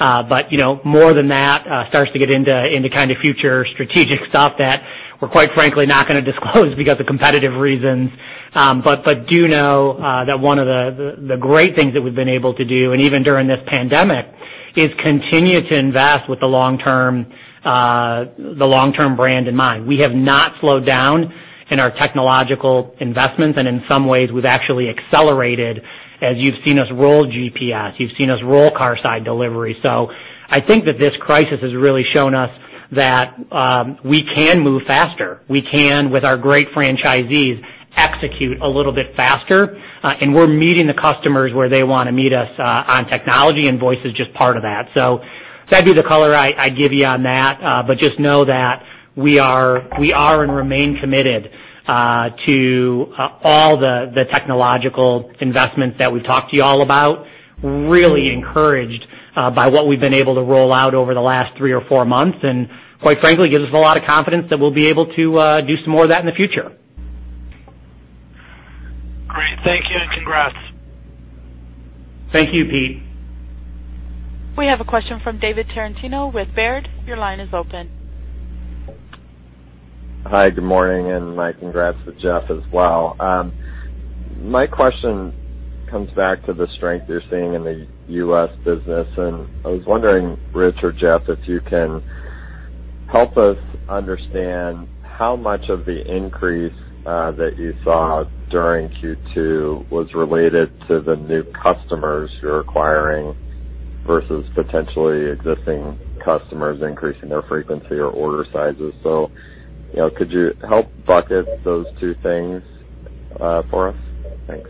Speaker 2: More than that starts to get into future strategic stuff that we're quite frankly not going to disclose because of competitive reasons. Do know that one of the great things that we've been able to do, and even during this pandemic, is continue to invest with the long-term brand in mind. We have not slowed down in our technological investments, and in some ways, we've actually accelerated as you've seen us roll GPS, you've seen us roll Carside Delivery. I think that this crisis has really shown us that we can move faster. We can, with our great franchisees, execute a little bit faster. We're meeting the customers where they want to meet us on technology, and voice is just part of that. That'd be the color I'd give you on that. Just know that we are and remain committed to all the technological investments that we've talked to you all about, really encouraged by what we've been able to roll out over the last three or four months, and quite frankly, gives us a lot of confidence that we'll be able to do some more of that in the future.
Speaker 10: Great. Thank you and congrats.
Speaker 2: Thank you, Pete.
Speaker 1: We have a question from David Tarantino with Baird. Your line is open.
Speaker 11: Hi, good morning, my congrats to Jeff as well. My question comes back to the strength you're seeing in the U.S. business. I was wondering, Ritch or Jeff, if you can help us understand how much of the increase that you saw during Q2 was related to the new customers you're acquiring versus potentially existing customers increasing their frequency or order sizes. Could you help bucket those two things for us? Thanks.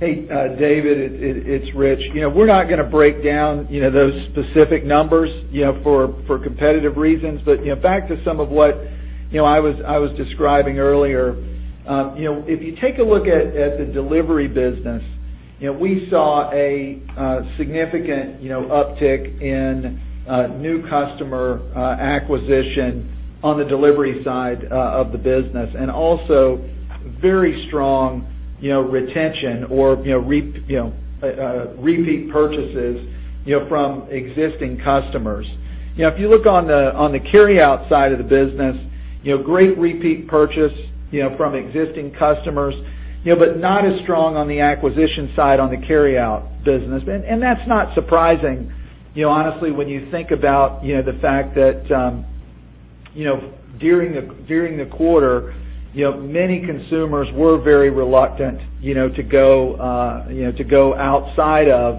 Speaker 3: Hey, David, it's Ritch. We're not going to break down those specific numbers for competitive reasons. Back to some of what I was describing earlier. If you take a look at the delivery business, we saw a significant uptick in new customer acquisition on the delivery side of the business, and also very strong retention or repeat purchases from existing customers. If you look on the carryout side of the business, great repeat purchase from existing customers, but not as strong on the acquisition side on the carryout business. That's not surprising. Honestly, when you think about the fact that during the quarter, many consumers were very reluctant to go outside of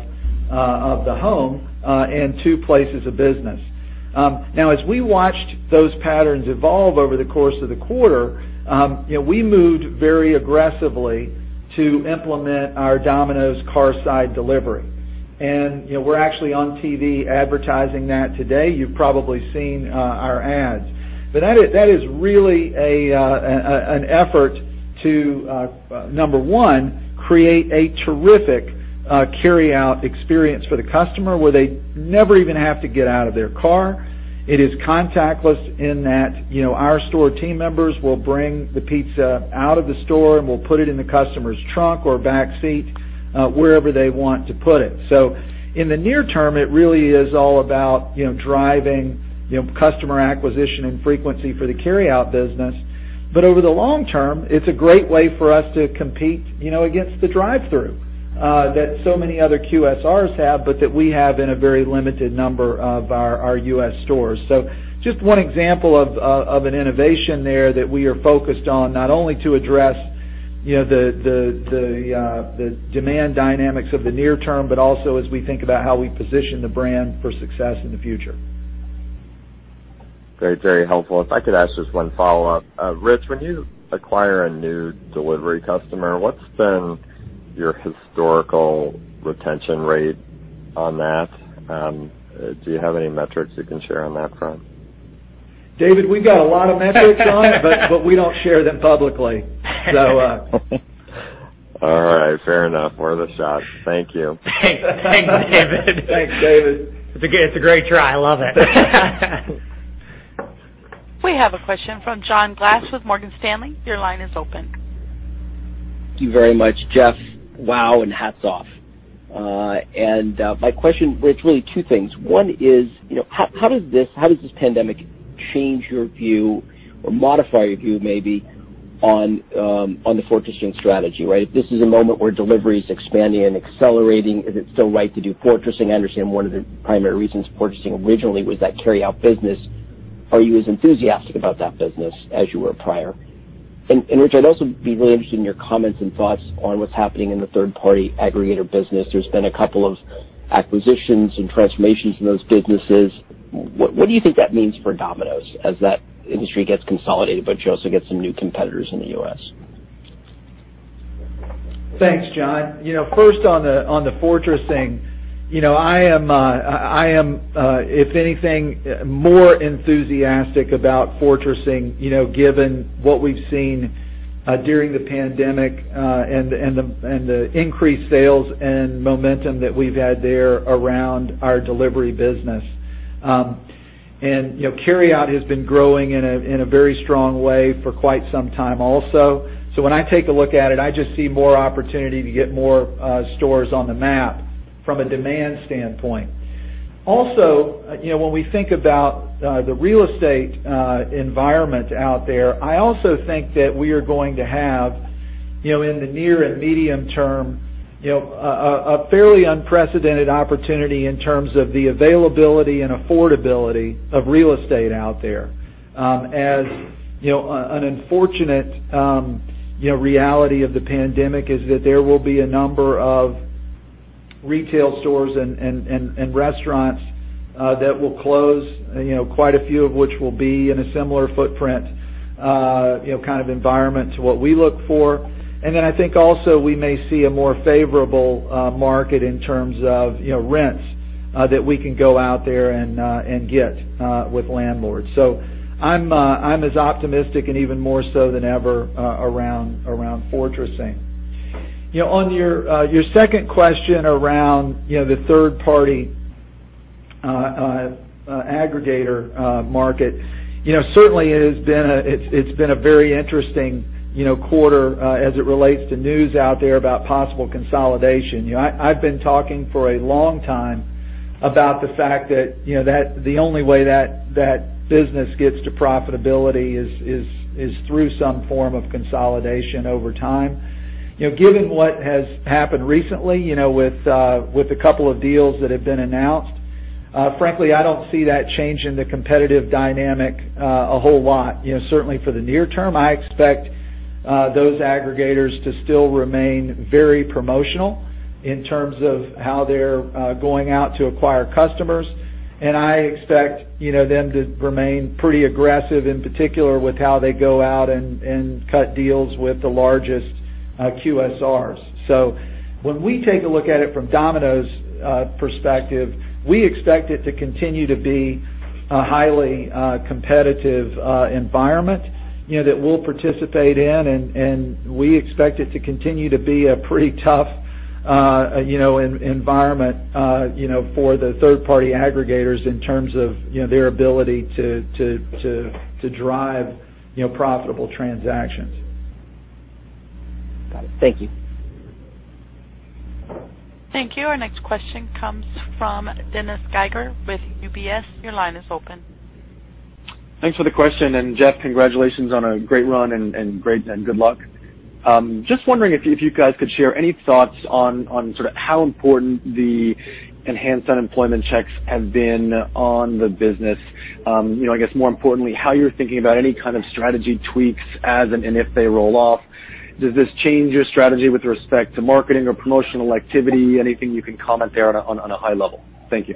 Speaker 3: the home and to places of business. Now, as we watched those patterns evolve over the course of the quarter, we moved very aggressively to implement our Domino's Carside Delivery. We're actually on TV advertising that today. You've probably seen our ads. That is really an effort to, number one, create a terrific carryout experience for the customer where they never even have to get out of their car. It is contactless in that our store team members will bring the pizza out of the store and will put it in the customer's trunk or back seat, wherever they want to put it. In the near term, it really is all about driving customer acquisition and frequency for the carryout business. Over the long term, it's a great way for us to compete against the drive-thru that so many other QSRs have, but that we have in a very limited number of our U.S. stores. Just one example of an innovation there that we are focused on, not only to address the demand dynamics of the near term, but also as we think about how we position the brand for success in the future.
Speaker 11: Very helpful. If I could ask just one follow-up. Ritch, when you acquire a new delivery customer, what's been your historical retention rate on that? Do you have any metrics you can share on that front?
Speaker 3: David, we got a lot of metrics on it, but we don't share them publicly.
Speaker 11: All right. Fair enough. Worth a shot. Thank you.
Speaker 2: Thanks, David.
Speaker 3: Thanks, David.
Speaker 2: It's a great try. I love it.
Speaker 1: We have a question from John Glass with Morgan Stanley. Your line is open.
Speaker 12: Thank you very much. Jeff, wow and hats off. My question, well, it's really two things. One is, how does this pandemic change your view or modify your view maybe on the fortressing strategy, right? If this is a moment where delivery is expanding and accelerating, is it still right to do fortressing? I understand one of the primary reasons fortressing originally was that carryout business. Are you as enthusiastic about that business as you were prior? Ritch, I'd also be really interested in your comments and thoughts on what's happening in the third-party aggregator business. There's been a couple of acquisitions and transformations in those businesses. What do you think that means for Domino's as that industry gets consolidated, but you also get some new competitors in the U.S.?
Speaker 3: Thanks, John. First on the fortressing, I am, if anything, more enthusiastic about fortressing, given what we've seen during the pandemic, and the increased sales and momentum that we've had there around our delivery business. Carryout has been growing in a very strong way for quite some time also. When I take a look at it, I just see more opportunity to get more stores on the map from a demand standpoint. When we think about the real estate environment out there, I also think that we are going to have, in the near and medium term, a fairly unprecedented opportunity in terms of the availability and affordability of real estate out there. As an unfortunate reality of the pandemic is that there will be a number of retail stores and restaurants that will close, quite a few of which will be in a similar footprint, kind of environment to what we look for. Then I think also we may see a more favorable market in terms of rents that we can go out there and get with landlords. I'm as optimistic and even more so than ever around fortressing. On your second question around the third party aggregator market. Certainly it's been a very interesting quarter as it relates to news out there about possible consolidation. I've been talking for a long time about the fact that the only way that that business gets to profitability is through some form of consolidation over time. Given what has happened recently with a couple of deals that have been announced, frankly, I don't see that changing the competitive dynamic a whole lot. Certainly for the near term, I expect those aggregators to still remain very promotional in terms of how they're going out to acquire customers. I expect them to remain pretty aggressive, in particular with how they go out and cut deals with the largest QSRs. When we take a look at it from Domino's perspective, we expect it to continue to be a highly competitive environment that we'll participate in, and we expect it to continue to be a pretty tough environment for the third-party aggregators in terms of their ability to drive profitable transactions.
Speaker 12: Got it. Thank you.
Speaker 1: Thank you. Our next question comes from Dennis Geiger with UBS. Your line is open.
Speaker 13: Thanks for the question, and Jeff, congratulations on a great run and good luck. Just wondering if you guys could share any thoughts on sort of how important the enhanced unemployment checks have been on the business. I guess more importantly, how you're thinking about any kind of strategy tweaks as and in if they roll off. Does this change your strategy with respect to marketing or promotional activity? Anything you can comment there on a high level? Thank you.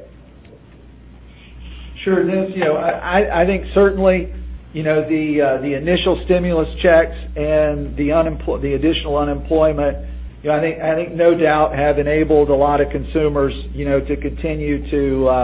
Speaker 3: Sure, Dennis. I think certainly, the initial stimulus checks and the additional unemployment, I think no doubt have enabled a lot of consumers to continue to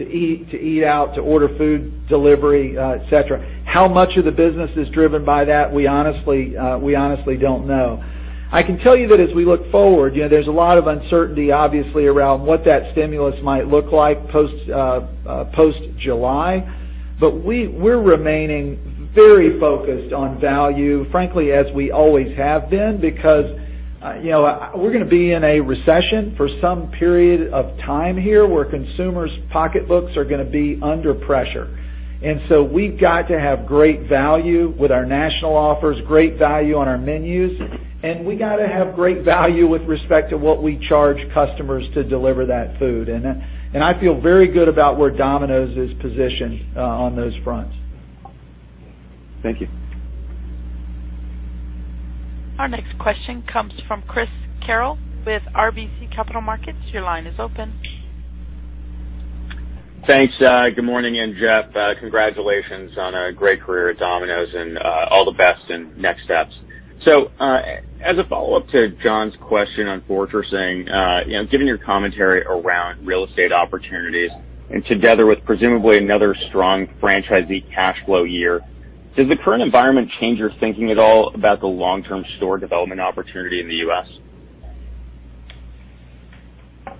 Speaker 3: eat, to eat out, to order food delivery, et cetera. How much of the business is driven by that? We honestly don't know. I can tell you that as we look forward, there's a lot of uncertainty, obviously, around what that stimulus might look like post July. We're remaining very focused on value, frankly, as we always have been, because-We're going to be in a recession for some period of time here, where consumers' pocketbooks are going to be under pressure. We've got to have great value with our national offers, great value on our menus, and we got to have great value with respect to what we charge customers to deliver that food. I feel very good about where Domino's is positioned on those fronts.
Speaker 13: Thank you.
Speaker 1: Our next question comes from Chris Carroll with RBC Capital Markets. Your line is open.
Speaker 14: Thanks. Good morning again, Jeff. Congratulations on a great career at Domino's, and all the best in next steps. As a follow-up to John's question on fortressing, given your commentary around real estate opportunities, and together with presumably another strong franchisee cash flow year, does the current environment change your thinking at all about the long-term store development opportunity in the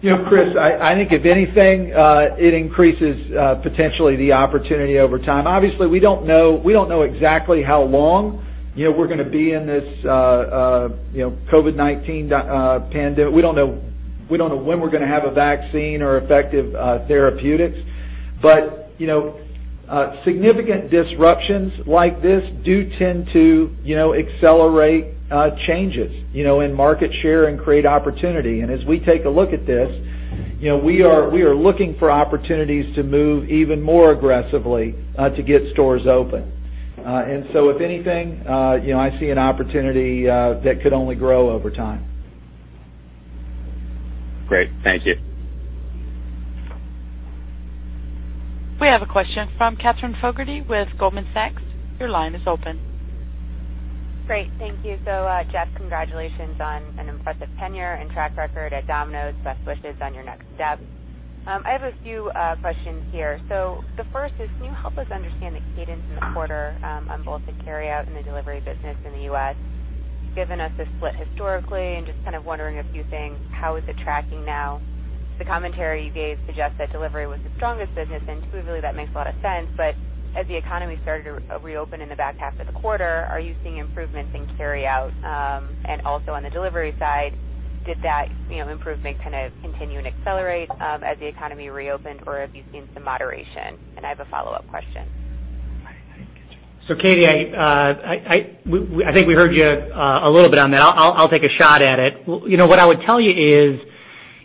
Speaker 14: U.S.?
Speaker 3: Chris, I think if anything, it increases potentially the opportunity over time. Obviously, we don't know exactly how long we're going to be in this COVID-19 pandemic. We don't know when we're going to have a vaccine or effective therapeutics. Significant disruptions like this do tend to accelerate changes in market share and create opportunity. As we take a look at this, we are looking for opportunities to move even more aggressively to get stores open. If anything, I see an opportunity that could only grow over time.
Speaker 14: Great. Thank you.
Speaker 1: We have a question from Katherine Fogertey with Goldman Sachs. Your line is open.
Speaker 15: Jeff, congratulations on an impressive tenure and track record at Domino's. Best wishes on your next step. I have a few questions here. The first is, can you help us understand the cadence in the quarter, on both the carryout and the delivery business in the U.S.? You've given us a split historically, just kind of wondering a few things. How is it tracking now? The commentary you gave suggests that delivery was the strongest business, intuitively that makes a lot of sense. As the economy started to reopen in the back half of the quarter, are you seeing improvements in carryout? Also on the delivery side, did that improvement kind of continue and accelerate as the economy reopened, or have you seen some moderation? I have a follow-up question.
Speaker 2: Katie, I think we heard you a little bit on that. I'll take a shot at it. What I would tell you is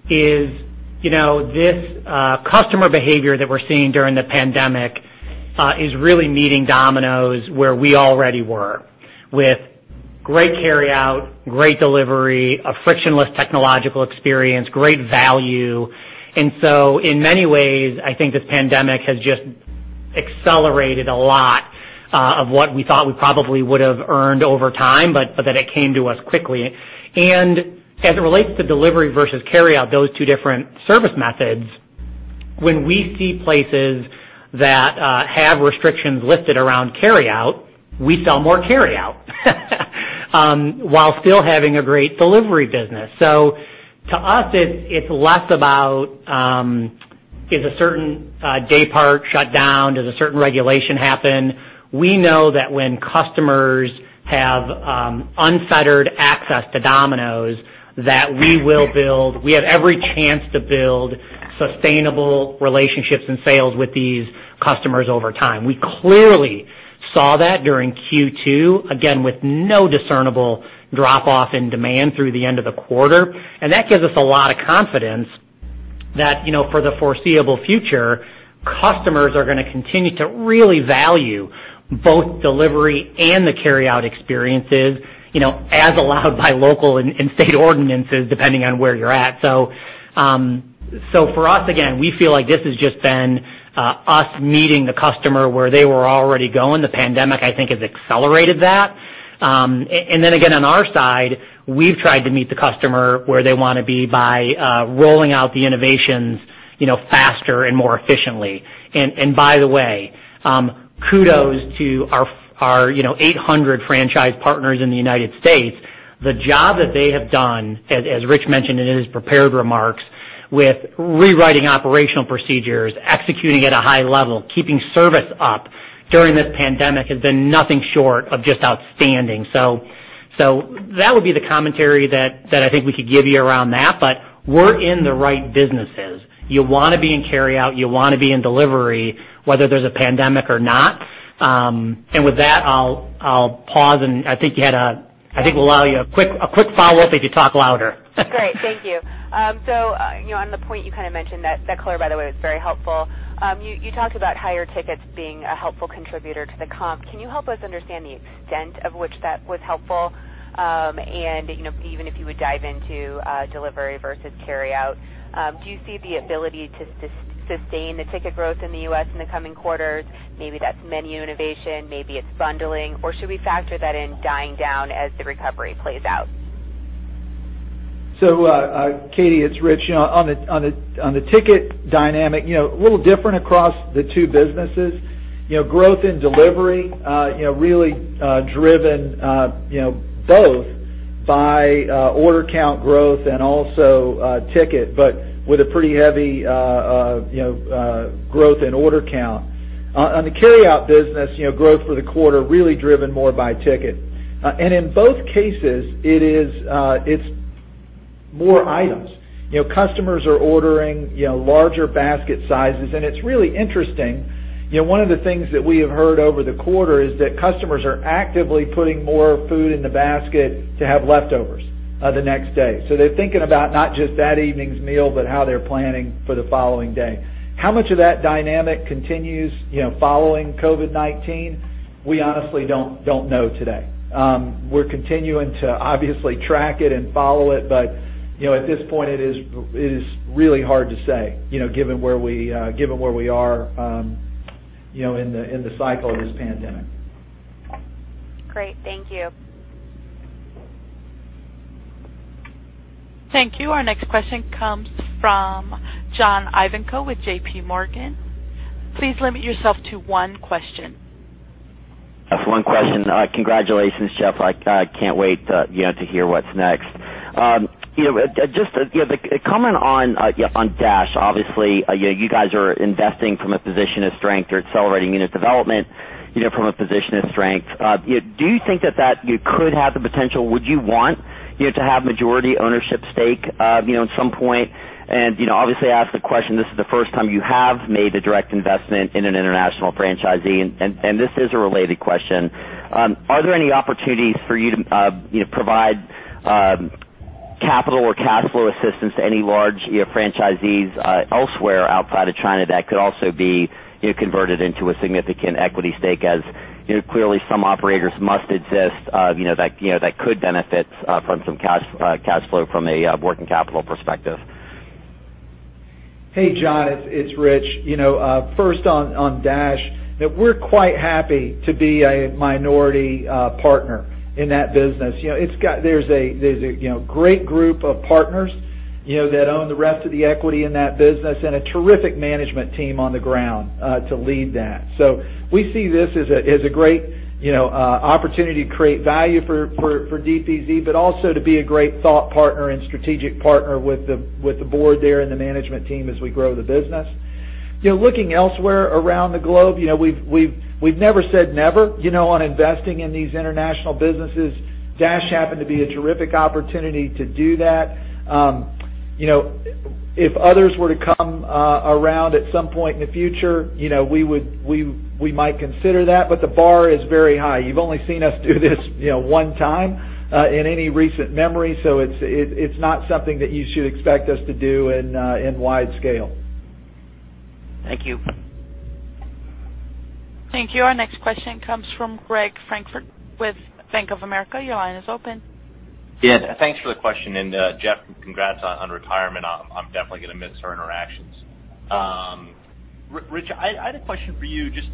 Speaker 2: this customer behavior that we're seeing during the pandemic is really meeting Domino's where we already were, with great carryout, great delivery, a frictionless technological experience, great value. In many ways, I think this pandemic has just accelerated a lot of what we thought we probably would have earned over time, but that it came to us quickly. As it relates to delivery versus carryout, those two different service methods, when we see places that have restrictions lifted around carryout, we sell more carryout while still having a great delivery business. To us, it's less about, is a certain day part shut down? Does a certain regulation happen? We know that when customers have unfettered access to Domino's, that we have every chance to build sustainable relationships and sales with these customers over time. We clearly saw that during Q2, again, with no discernible drop-off in demand through the end of the quarter. That gives us a lot of confidence that for the foreseeable future, customers are going to continue to really value both delivery and the carryout experiences, as allowed by local and state ordinances, depending on where you're at. For us, again, we feel like this has just been us meeting the customer where they were already going. The pandemic, I think, has accelerated that. Again, on our side, we've tried to meet the customer where they want to be by rolling out the innovations faster and more efficiently. By the way, kudos to our 800 franchise partners in the United States. The job that they have done, as Ritch mentioned in his prepared remarks, with rewriting operational procedures, executing at a high level, keeping service up during this pandemic has been nothing short of just outstanding. That would be the commentary that I think we could give you around that. We're in the right businesses. You want to be in carryout, you want to be in delivery, whether there's a pandemic or not. With that, I'll pause, and I think we'll allow you a quick follow-up if you talk louder.
Speaker 15: Great. Thank you. On the point you kind of mentioned, that color, by the way, was very helpful. You talked about higher tickets being a helpful contributor to the comp. Can you help us understand the extent of which that was helpful? Even if you would dive into delivery versus carryout. Do you see the ability to sustain the ticket growth in the U.S. in the coming quarters? Maybe that's menu innovation, maybe it's bundling, or should we factor that in dying down as the recovery plays out?
Speaker 3: Katie, it's Ritch. On the ticket dynamic, a little different across the two businesses. Growth in delivery really driven both by order count growth and also ticket, but with a pretty heavy growth in order count. On the carryout business, growth for the quarter really driven more by ticket. In both cases, it's more items. Customers are ordering larger basket sizes. It's really interesting. One of the things that we have heard over the quarter is that customers are actively putting more food in the basket to have leftovers the next day. They're thinking about not just that evening's meal, but how they're planning for the following day. How much of that dynamic continues following COVID-19? We honestly don't know today. We're continuing to obviously track it and follow it, but at this point, it is really hard to say given where we are in the cycle of this pandemic.
Speaker 15: Great. Thank you.
Speaker 1: Thank you. Our next question comes from John Ivankoe with JPMorgan. Please limit yourself to one question.
Speaker 16: That's one question. Congratulations, Jeff. I can't wait to hear what's next. Just a comment on Dash. Obviously, you guys are investing from a position of strength. You're accelerating unit development from a position of strength. Do you think that that could have the potential? Would you want to have majority ownership stake at some point? Obviously, I ask the question, this is the first time you have made a direct investment in an international franchisee, and this is a related question. Are there any opportunities for you to provide capital or cash flow assistance to any large franchisees elsewhere outside of China that could also be converted into a significant equity stake, as clearly some operators must exist that could benefit from some cash flow from a working capital perspective.
Speaker 3: Hey, John, it's Ritch. First on Dash. We're quite happy to be a minority partner in that business. There's a great group of partners that own the rest of the equity in that business and a terrific management team on the ground to lead that. We see this as a great opportunity to create value for DPZ, but also to be a great thought partner and strategic partner with the board there and the management team as we grow the business. Looking elsewhere around the globe, we've never said never on investing in these international businesses. Dash happened to be a terrific opportunity to do that. If others were to come around at some point in the future, we might consider that, but the bar is very high. You've only seen us do this one time in any recent memory, so it's not something that you should expect us to do in wide scale.
Speaker 16: Thank you.
Speaker 1: Thank you. Our next question comes from Gregory Francfort with Bank of America. Your line is open.
Speaker 17: Yeah, thanks for the question. Jeff, congrats on retirement. I'm definitely going to miss our interactions. Ritch, I had a question for you. Just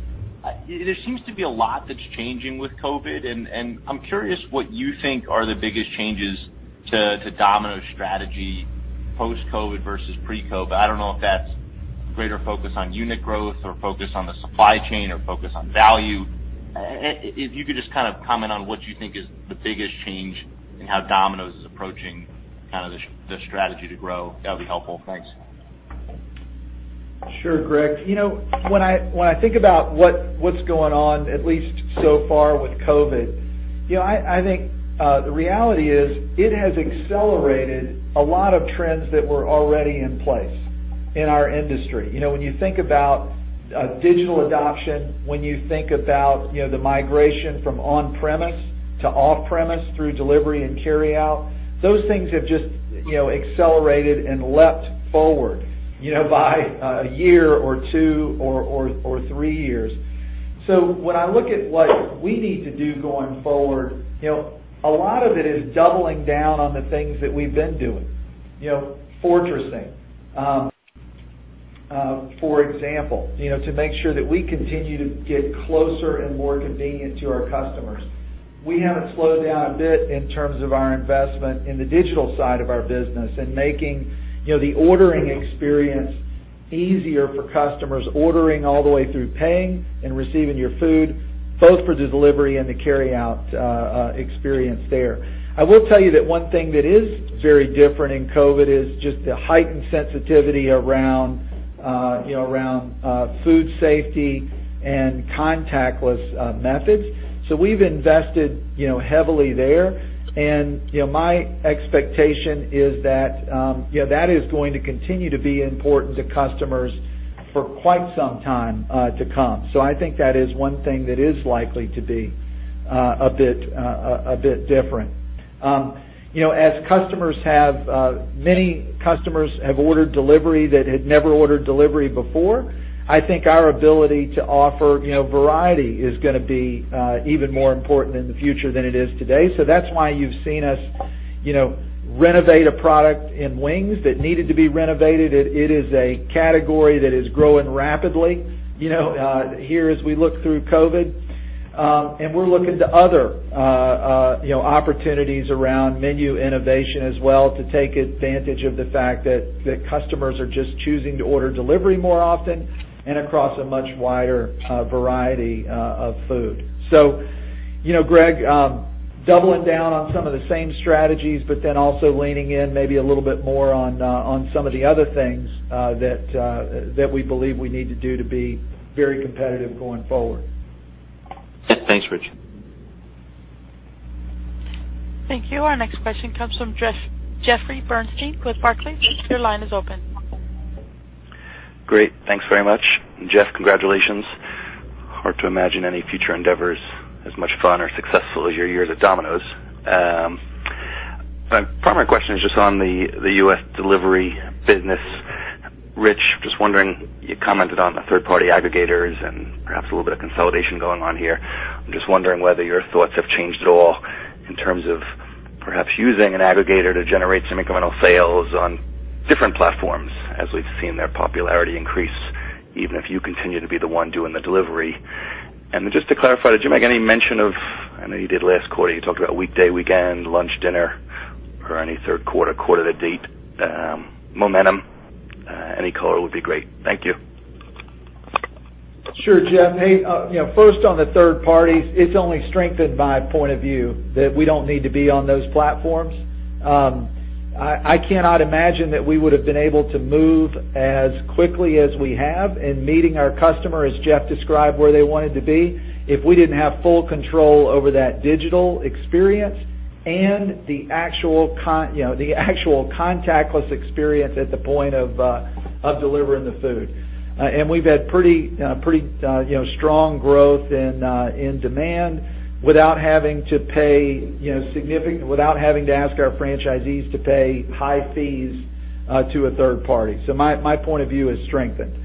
Speaker 17: there seems to be a lot that's changing with COVID, and I'm curious what you think are the biggest changes to Domino's strategy post-COVID versus pre-COVID. I don't know if that's greater focus on unit growth or focus on the supply chain or focus on value. If you could just kind of comment on what you think is the biggest change in how Domino's is approaching kind of the strategy to grow, that would be helpful. Thanks.
Speaker 3: Sure, Greg. When I think about what's going on, at least so far with COVID, I think the reality is it has accelerated a lot of trends that were already in place in our industry. When you think about digital adoption, when you think about the migration from on-premise to off-premise through delivery and carryout, those things have just accelerated and leapt forward by a year or two or three years. When I look at what we need to do going forward, a lot of it is doubling down on the things that we've been doing. fortressing, for example, to make sure that we continue to get closer and more convenient to our customers. We haven't slowed down a bit in terms of our investment in the digital side of our business and making the ordering experience easier for customers, ordering all the way through paying and receiving your food, both for the delivery and the carryout experience there. I will tell you that one thing that is very different in COVID-19 is just the heightened sensitivity around food safety and contactless methods. We've invested heavily there, and my expectation is that is going to continue to be important to customers for quite some time to come. I think that is one thing that is likely to be a bit different. As many customers have ordered delivery that had never ordered delivery before, I think our ability to offer variety is going to be even more important in the future than it is today. That's why you've seen us renovate a product in wings that needed to be renovated. It is a category that is growing rapidly here as we look through COVID-19, and we're looking to other opportunities around menu innovation as well, to take advantage of the fact that customers are just choosing to order delivery more often and across a much wider variety of food. Greg, doubling down on some of the same strategies, but then also leaning in maybe a little bit more on some of the other things that we believe we need to do to be very competitive going forward.
Speaker 17: Thanks, Ritch.
Speaker 1: Thank you. Our next question comes from Jeffrey Bernstein with Barclays. Your line is open.
Speaker 18: Great. Thanks very much. Jeff, congratulations. Hard to imagine any future endeavors as much fun or successful as your years at Domino's. My primary question is just on the U.S. delivery business. Ritch, just wondering, you commented on the third-party aggregators and perhaps a little bit of consolidation going on here. I'm just wondering whether your thoughts have changed at all in terms of perhaps using an aggregator to generate some incremental sales on different platforms as we've seen their popularity increase, even if you continue to be the one doing the delivery. Then just to clarify, did you make any mention of, I know you did last quarter, you talked about weekday, weekend, lunch, dinner, or any third quarter-to-date momentum. Any color would be great. Thank you.
Speaker 3: Sure. Jeff, hey, first on the third parties, it's only strengthened my point of view that we don't need to be on those platforms. I cannot imagine that we would've been able to move as quickly as we have in meeting our customer, as Jeff described where they wanted to be, if we didn't have full control over that digital experience and the actual contactless experience at the point of delivering the food. We've had pretty strong growth in demand without having to ask our franchisees to pay high fees to a third party. My point of view is strengthened.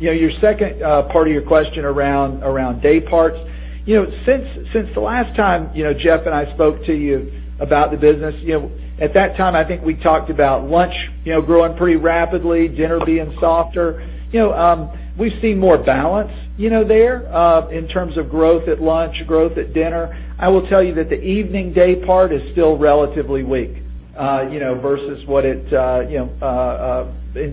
Speaker 3: Your second part of your question around day parts. Since the last time Jeff and I spoke to you about the business, at that time, I think we talked about lunch growing pretty rapidly, dinner being softer. We've seen more balance there in terms of growth at lunch, growth at dinner. I will tell you that the evening day part is still relatively weak, in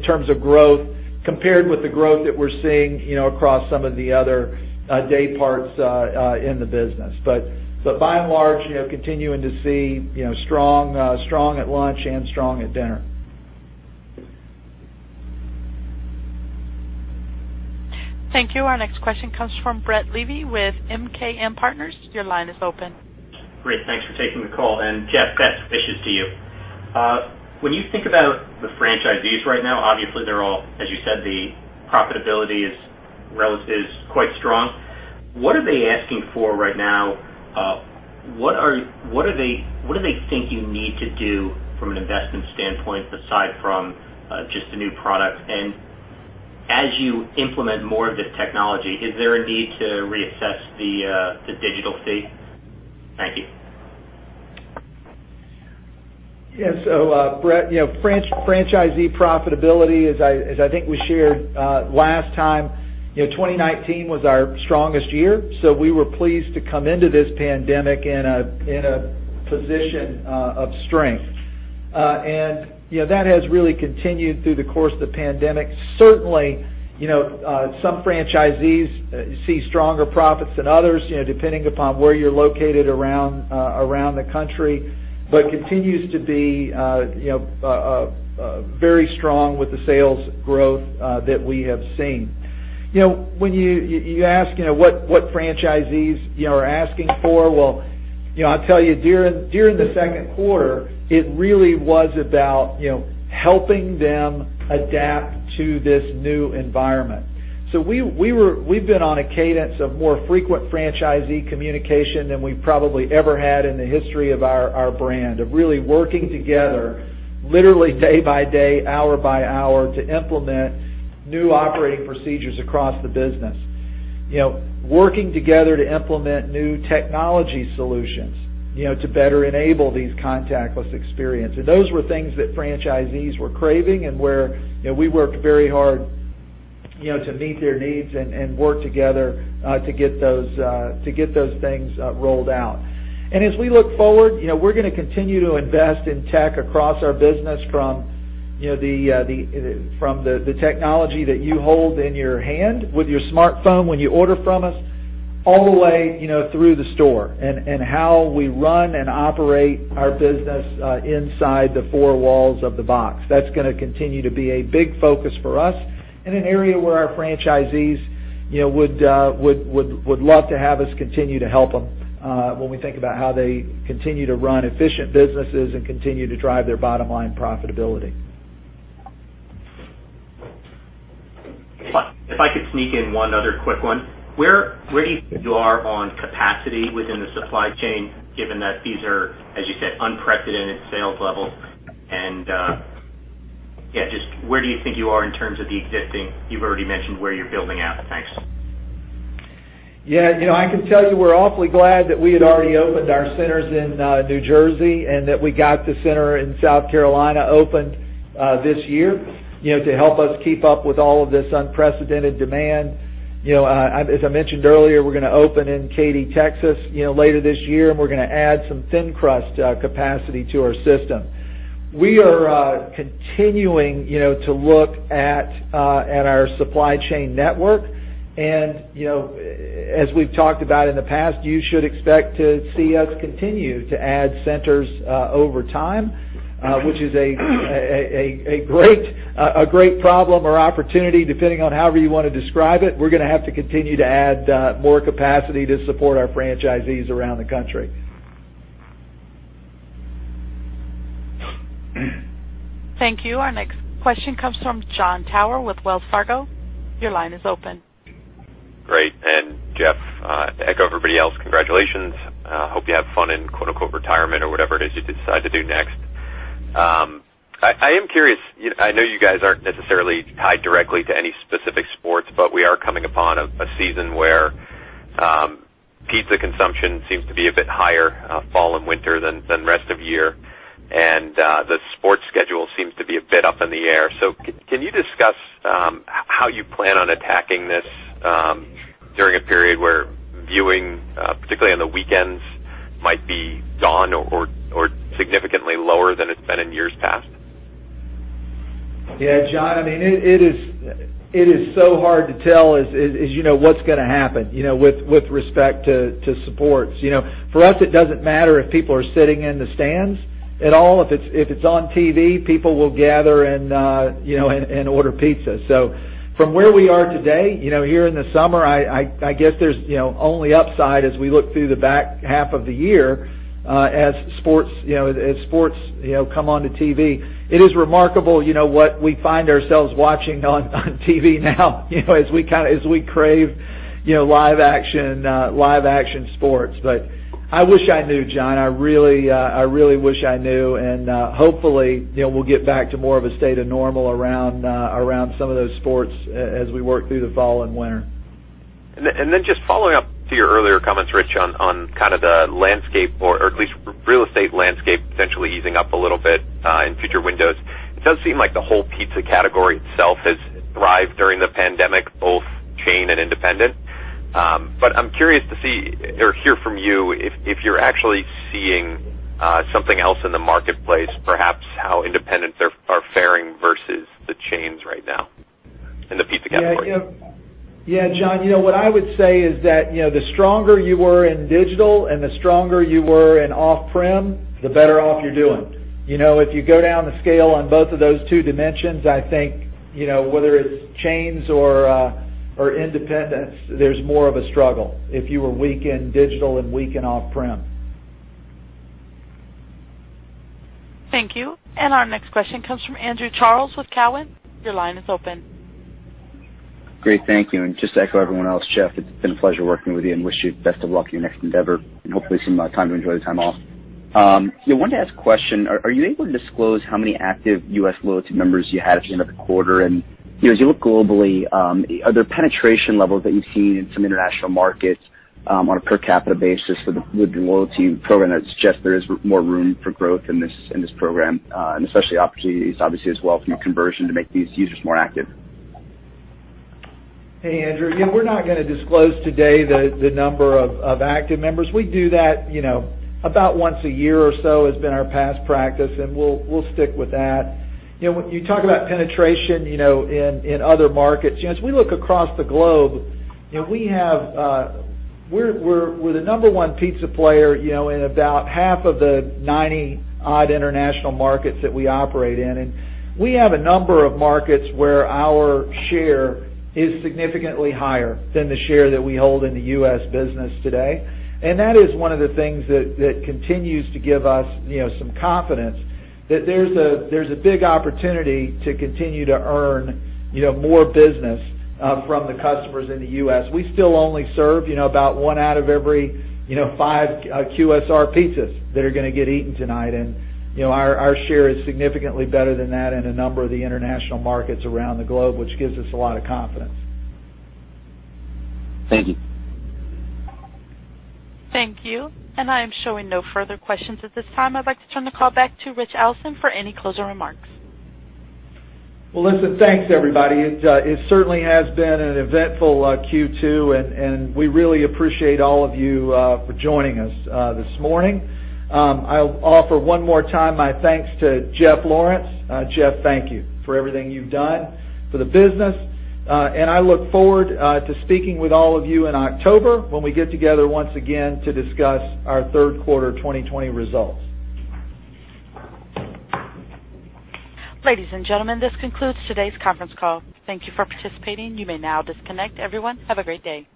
Speaker 3: terms of growth, compared with the growth that we're seeing across some of the other day parts in the business. By and large, continuing to see strong at lunch and strong at dinner.
Speaker 1: Thank you. Our next question comes from Brett Levy with MKM Partners. Your line is open.
Speaker 19: Great. Thanks for taking the call. Jeff, best wishes to you. When you think about the franchisees right now, obviously they're all, as you said, the profitability is quite strong. What are they asking for right now? What do they think you need to do from an investment standpoint, aside from just the new product? As you implement more of this technology, is there a need to reassess the digital fee? Thank you.
Speaker 3: Yeah. Brett, franchisee profitability, as I think we shared last time, 2019 was our strongest year. That has really continued through the course of the pandemic. Certainly, some franchisees see stronger profits than others, depending upon where you're located around the country, but continues to be very strong with the sales growth that we have seen. When you ask what franchisees are asking for? Well, I'll tell you, during the second quarter, it really was about helping them adapt to this new environment. We've been on a cadence of more frequent franchisee communication than we've probably ever had in the history of our brand, of really working together, literally day by day, hour by hour, to implement new operating procedures across the business. Working together to implement new technology solutions to better enable these contactless experiences. Those were things that franchisees were craving and where we worked very hard to meet their needs and work together to get those things rolled out. As we look forward, we're going to continue to invest in tech across our business from the technology that you hold in your hand with your smartphone when you order from us, all the way through the store and how we run and operate our business inside the four walls of the box. That's going to continue to be a big focus for us and an area where our franchisees would love to have us continue to help them, when we think about how they continue to run efficient businesses and continue to drive their bottom line profitability.
Speaker 19: If I could sneak in one other quick one. Where do you think you are on capacity within the supply chain, given that these are, as you said, unprecedented sales levels and just where do you think you are in terms of the existing-- You've already mentioned where you're building out. Thanks.
Speaker 3: Yeah. I can tell you we're awfully glad that we had already opened our centers in New Jersey and that we got the center in South Carolina opened this year to help us keep up with all of this unprecedented demand. As I mentioned earlier, we're going to open in Katy, Texas later this year, and we're going to add some thin crust capacity to our system. We are continuing to look at our supply chain network. As we've talked about in the past, you should expect to see us continue to add centers over time, which is a great problem or opportunity, depending on however you want to describe it. We're going to have to continue to add more capacity to support our franchisees around the country.
Speaker 1: Thank you. Our next question comes from Jon Tower with Wells Fargo. Your line is open.
Speaker 20: Great. Jeff, like everybody else, congratulations. Hope you have fun in, quote, unquote, "retirement" or whatever it is you decide to do next. I am curious, I know you guys aren't necessarily tied directly to any specific sports, but we are coming upon a season where pizza consumption seems to be a bit higher fall and winter than rest of year, and the sports schedule seems to be a bit up in the air. Can you discuss how you plan on attacking this during a period where viewing, particularly on the weekends, might be gone or significantly lower than it's been in years past?
Speaker 3: Yeah, John, it is so hard to tell what's going to happen with respect to sports. For us, it doesn't matter if people are sitting in the stands at all. If it's on TV, people will gather and order pizza. From where we are today, here in the summer, I guess there's only upside as we look through the back half of the year, as sports come onto TV. It is remarkable what we find ourselves watching on TV now as we crave live action sports. I wish I knew John. I really wish I knew, and hopefully, we'll get back to more of a state of normal around some of those sports as we work through the fall and winter.
Speaker 20: Just following up to your earlier comments, Ritch, on kind of the landscape, or at least real estate landscape potentially easing up a little bit in future windows. It does seem like the whole pizza category itself has thrived during the pandemic, both chain and independent. I'm curious to see or hear from you if you're actually seeing something else in the marketplace, perhaps how independents are faring versus the chains right now in the pizza category.
Speaker 3: Yeah, John, what I would say is that, the stronger you were in digital and the stronger you were in off-prem, the better off you're doing. If you go down the scale on both of those two dimensions, I think, whether it's chains or independents, there's more of a struggle if you were weak in digital and weak in off-prem.
Speaker 1: Thank you. Our next question comes from Andrew Charles with Cowen. Your line is open.
Speaker 21: Great. Thank you. Just to echo everyone else, Jeff, it's been a pleasure working with you and wish you the best of luck in your next endeavor, and hopefully some time to enjoy the time off. I wanted to ask a question. Are you able to disclose how many active U.S. Piece of the Pie Rewards members you had at the end of the quarter? As you look globally, are there penetration levels that you've seen in some international markets on a per capita basis for the Piece of the Pie Rewards program that suggest there is more room for growth in this Piece of the Pie Rewards program? Especially opportunities obviously as well through conversion to make these users more active.
Speaker 3: Hey, Andrew. We're not going to disclose today the number of active members. We do that about once a year or so, has been our past practice, and we'll stick with that. You talk about penetration in other markets. As we look across the globe, we're the number one pizza player in about half of the 90-odd international markets that we operate in. We have a number of markets where our share is significantly higher than the share that we hold in the U.S. business today. That is one of the things that continues to give us some confidence, that there's a big opportunity to continue to earn more business from the customers in the U.S. We still only serve about one out of every five QSR pizzas that are going to get eaten tonight. Our share is significantly better than that in a number of the international markets around the globe, which gives us a lot of confidence.
Speaker 21: Thank you.
Speaker 1: Thank you. I am showing no further questions at this time. I'd like to turn the call back to Ritch Allison for any closing remarks.
Speaker 3: Well, listen, thanks, everybody. It certainly has been an eventful Q2. We really appreciate all of you for joining us this morning. I'll offer one more time my thanks to Jeffrey Lawrence. Jeff, thank you for everything you've done for the business. I look forward to speaking with all of you in October, when we get together once again to discuss our third quarter 2020 results.
Speaker 1: Ladies and gentlemen, this concludes today's conference call. Thank you for participating. You may now disconnect. Everyone, have a great day.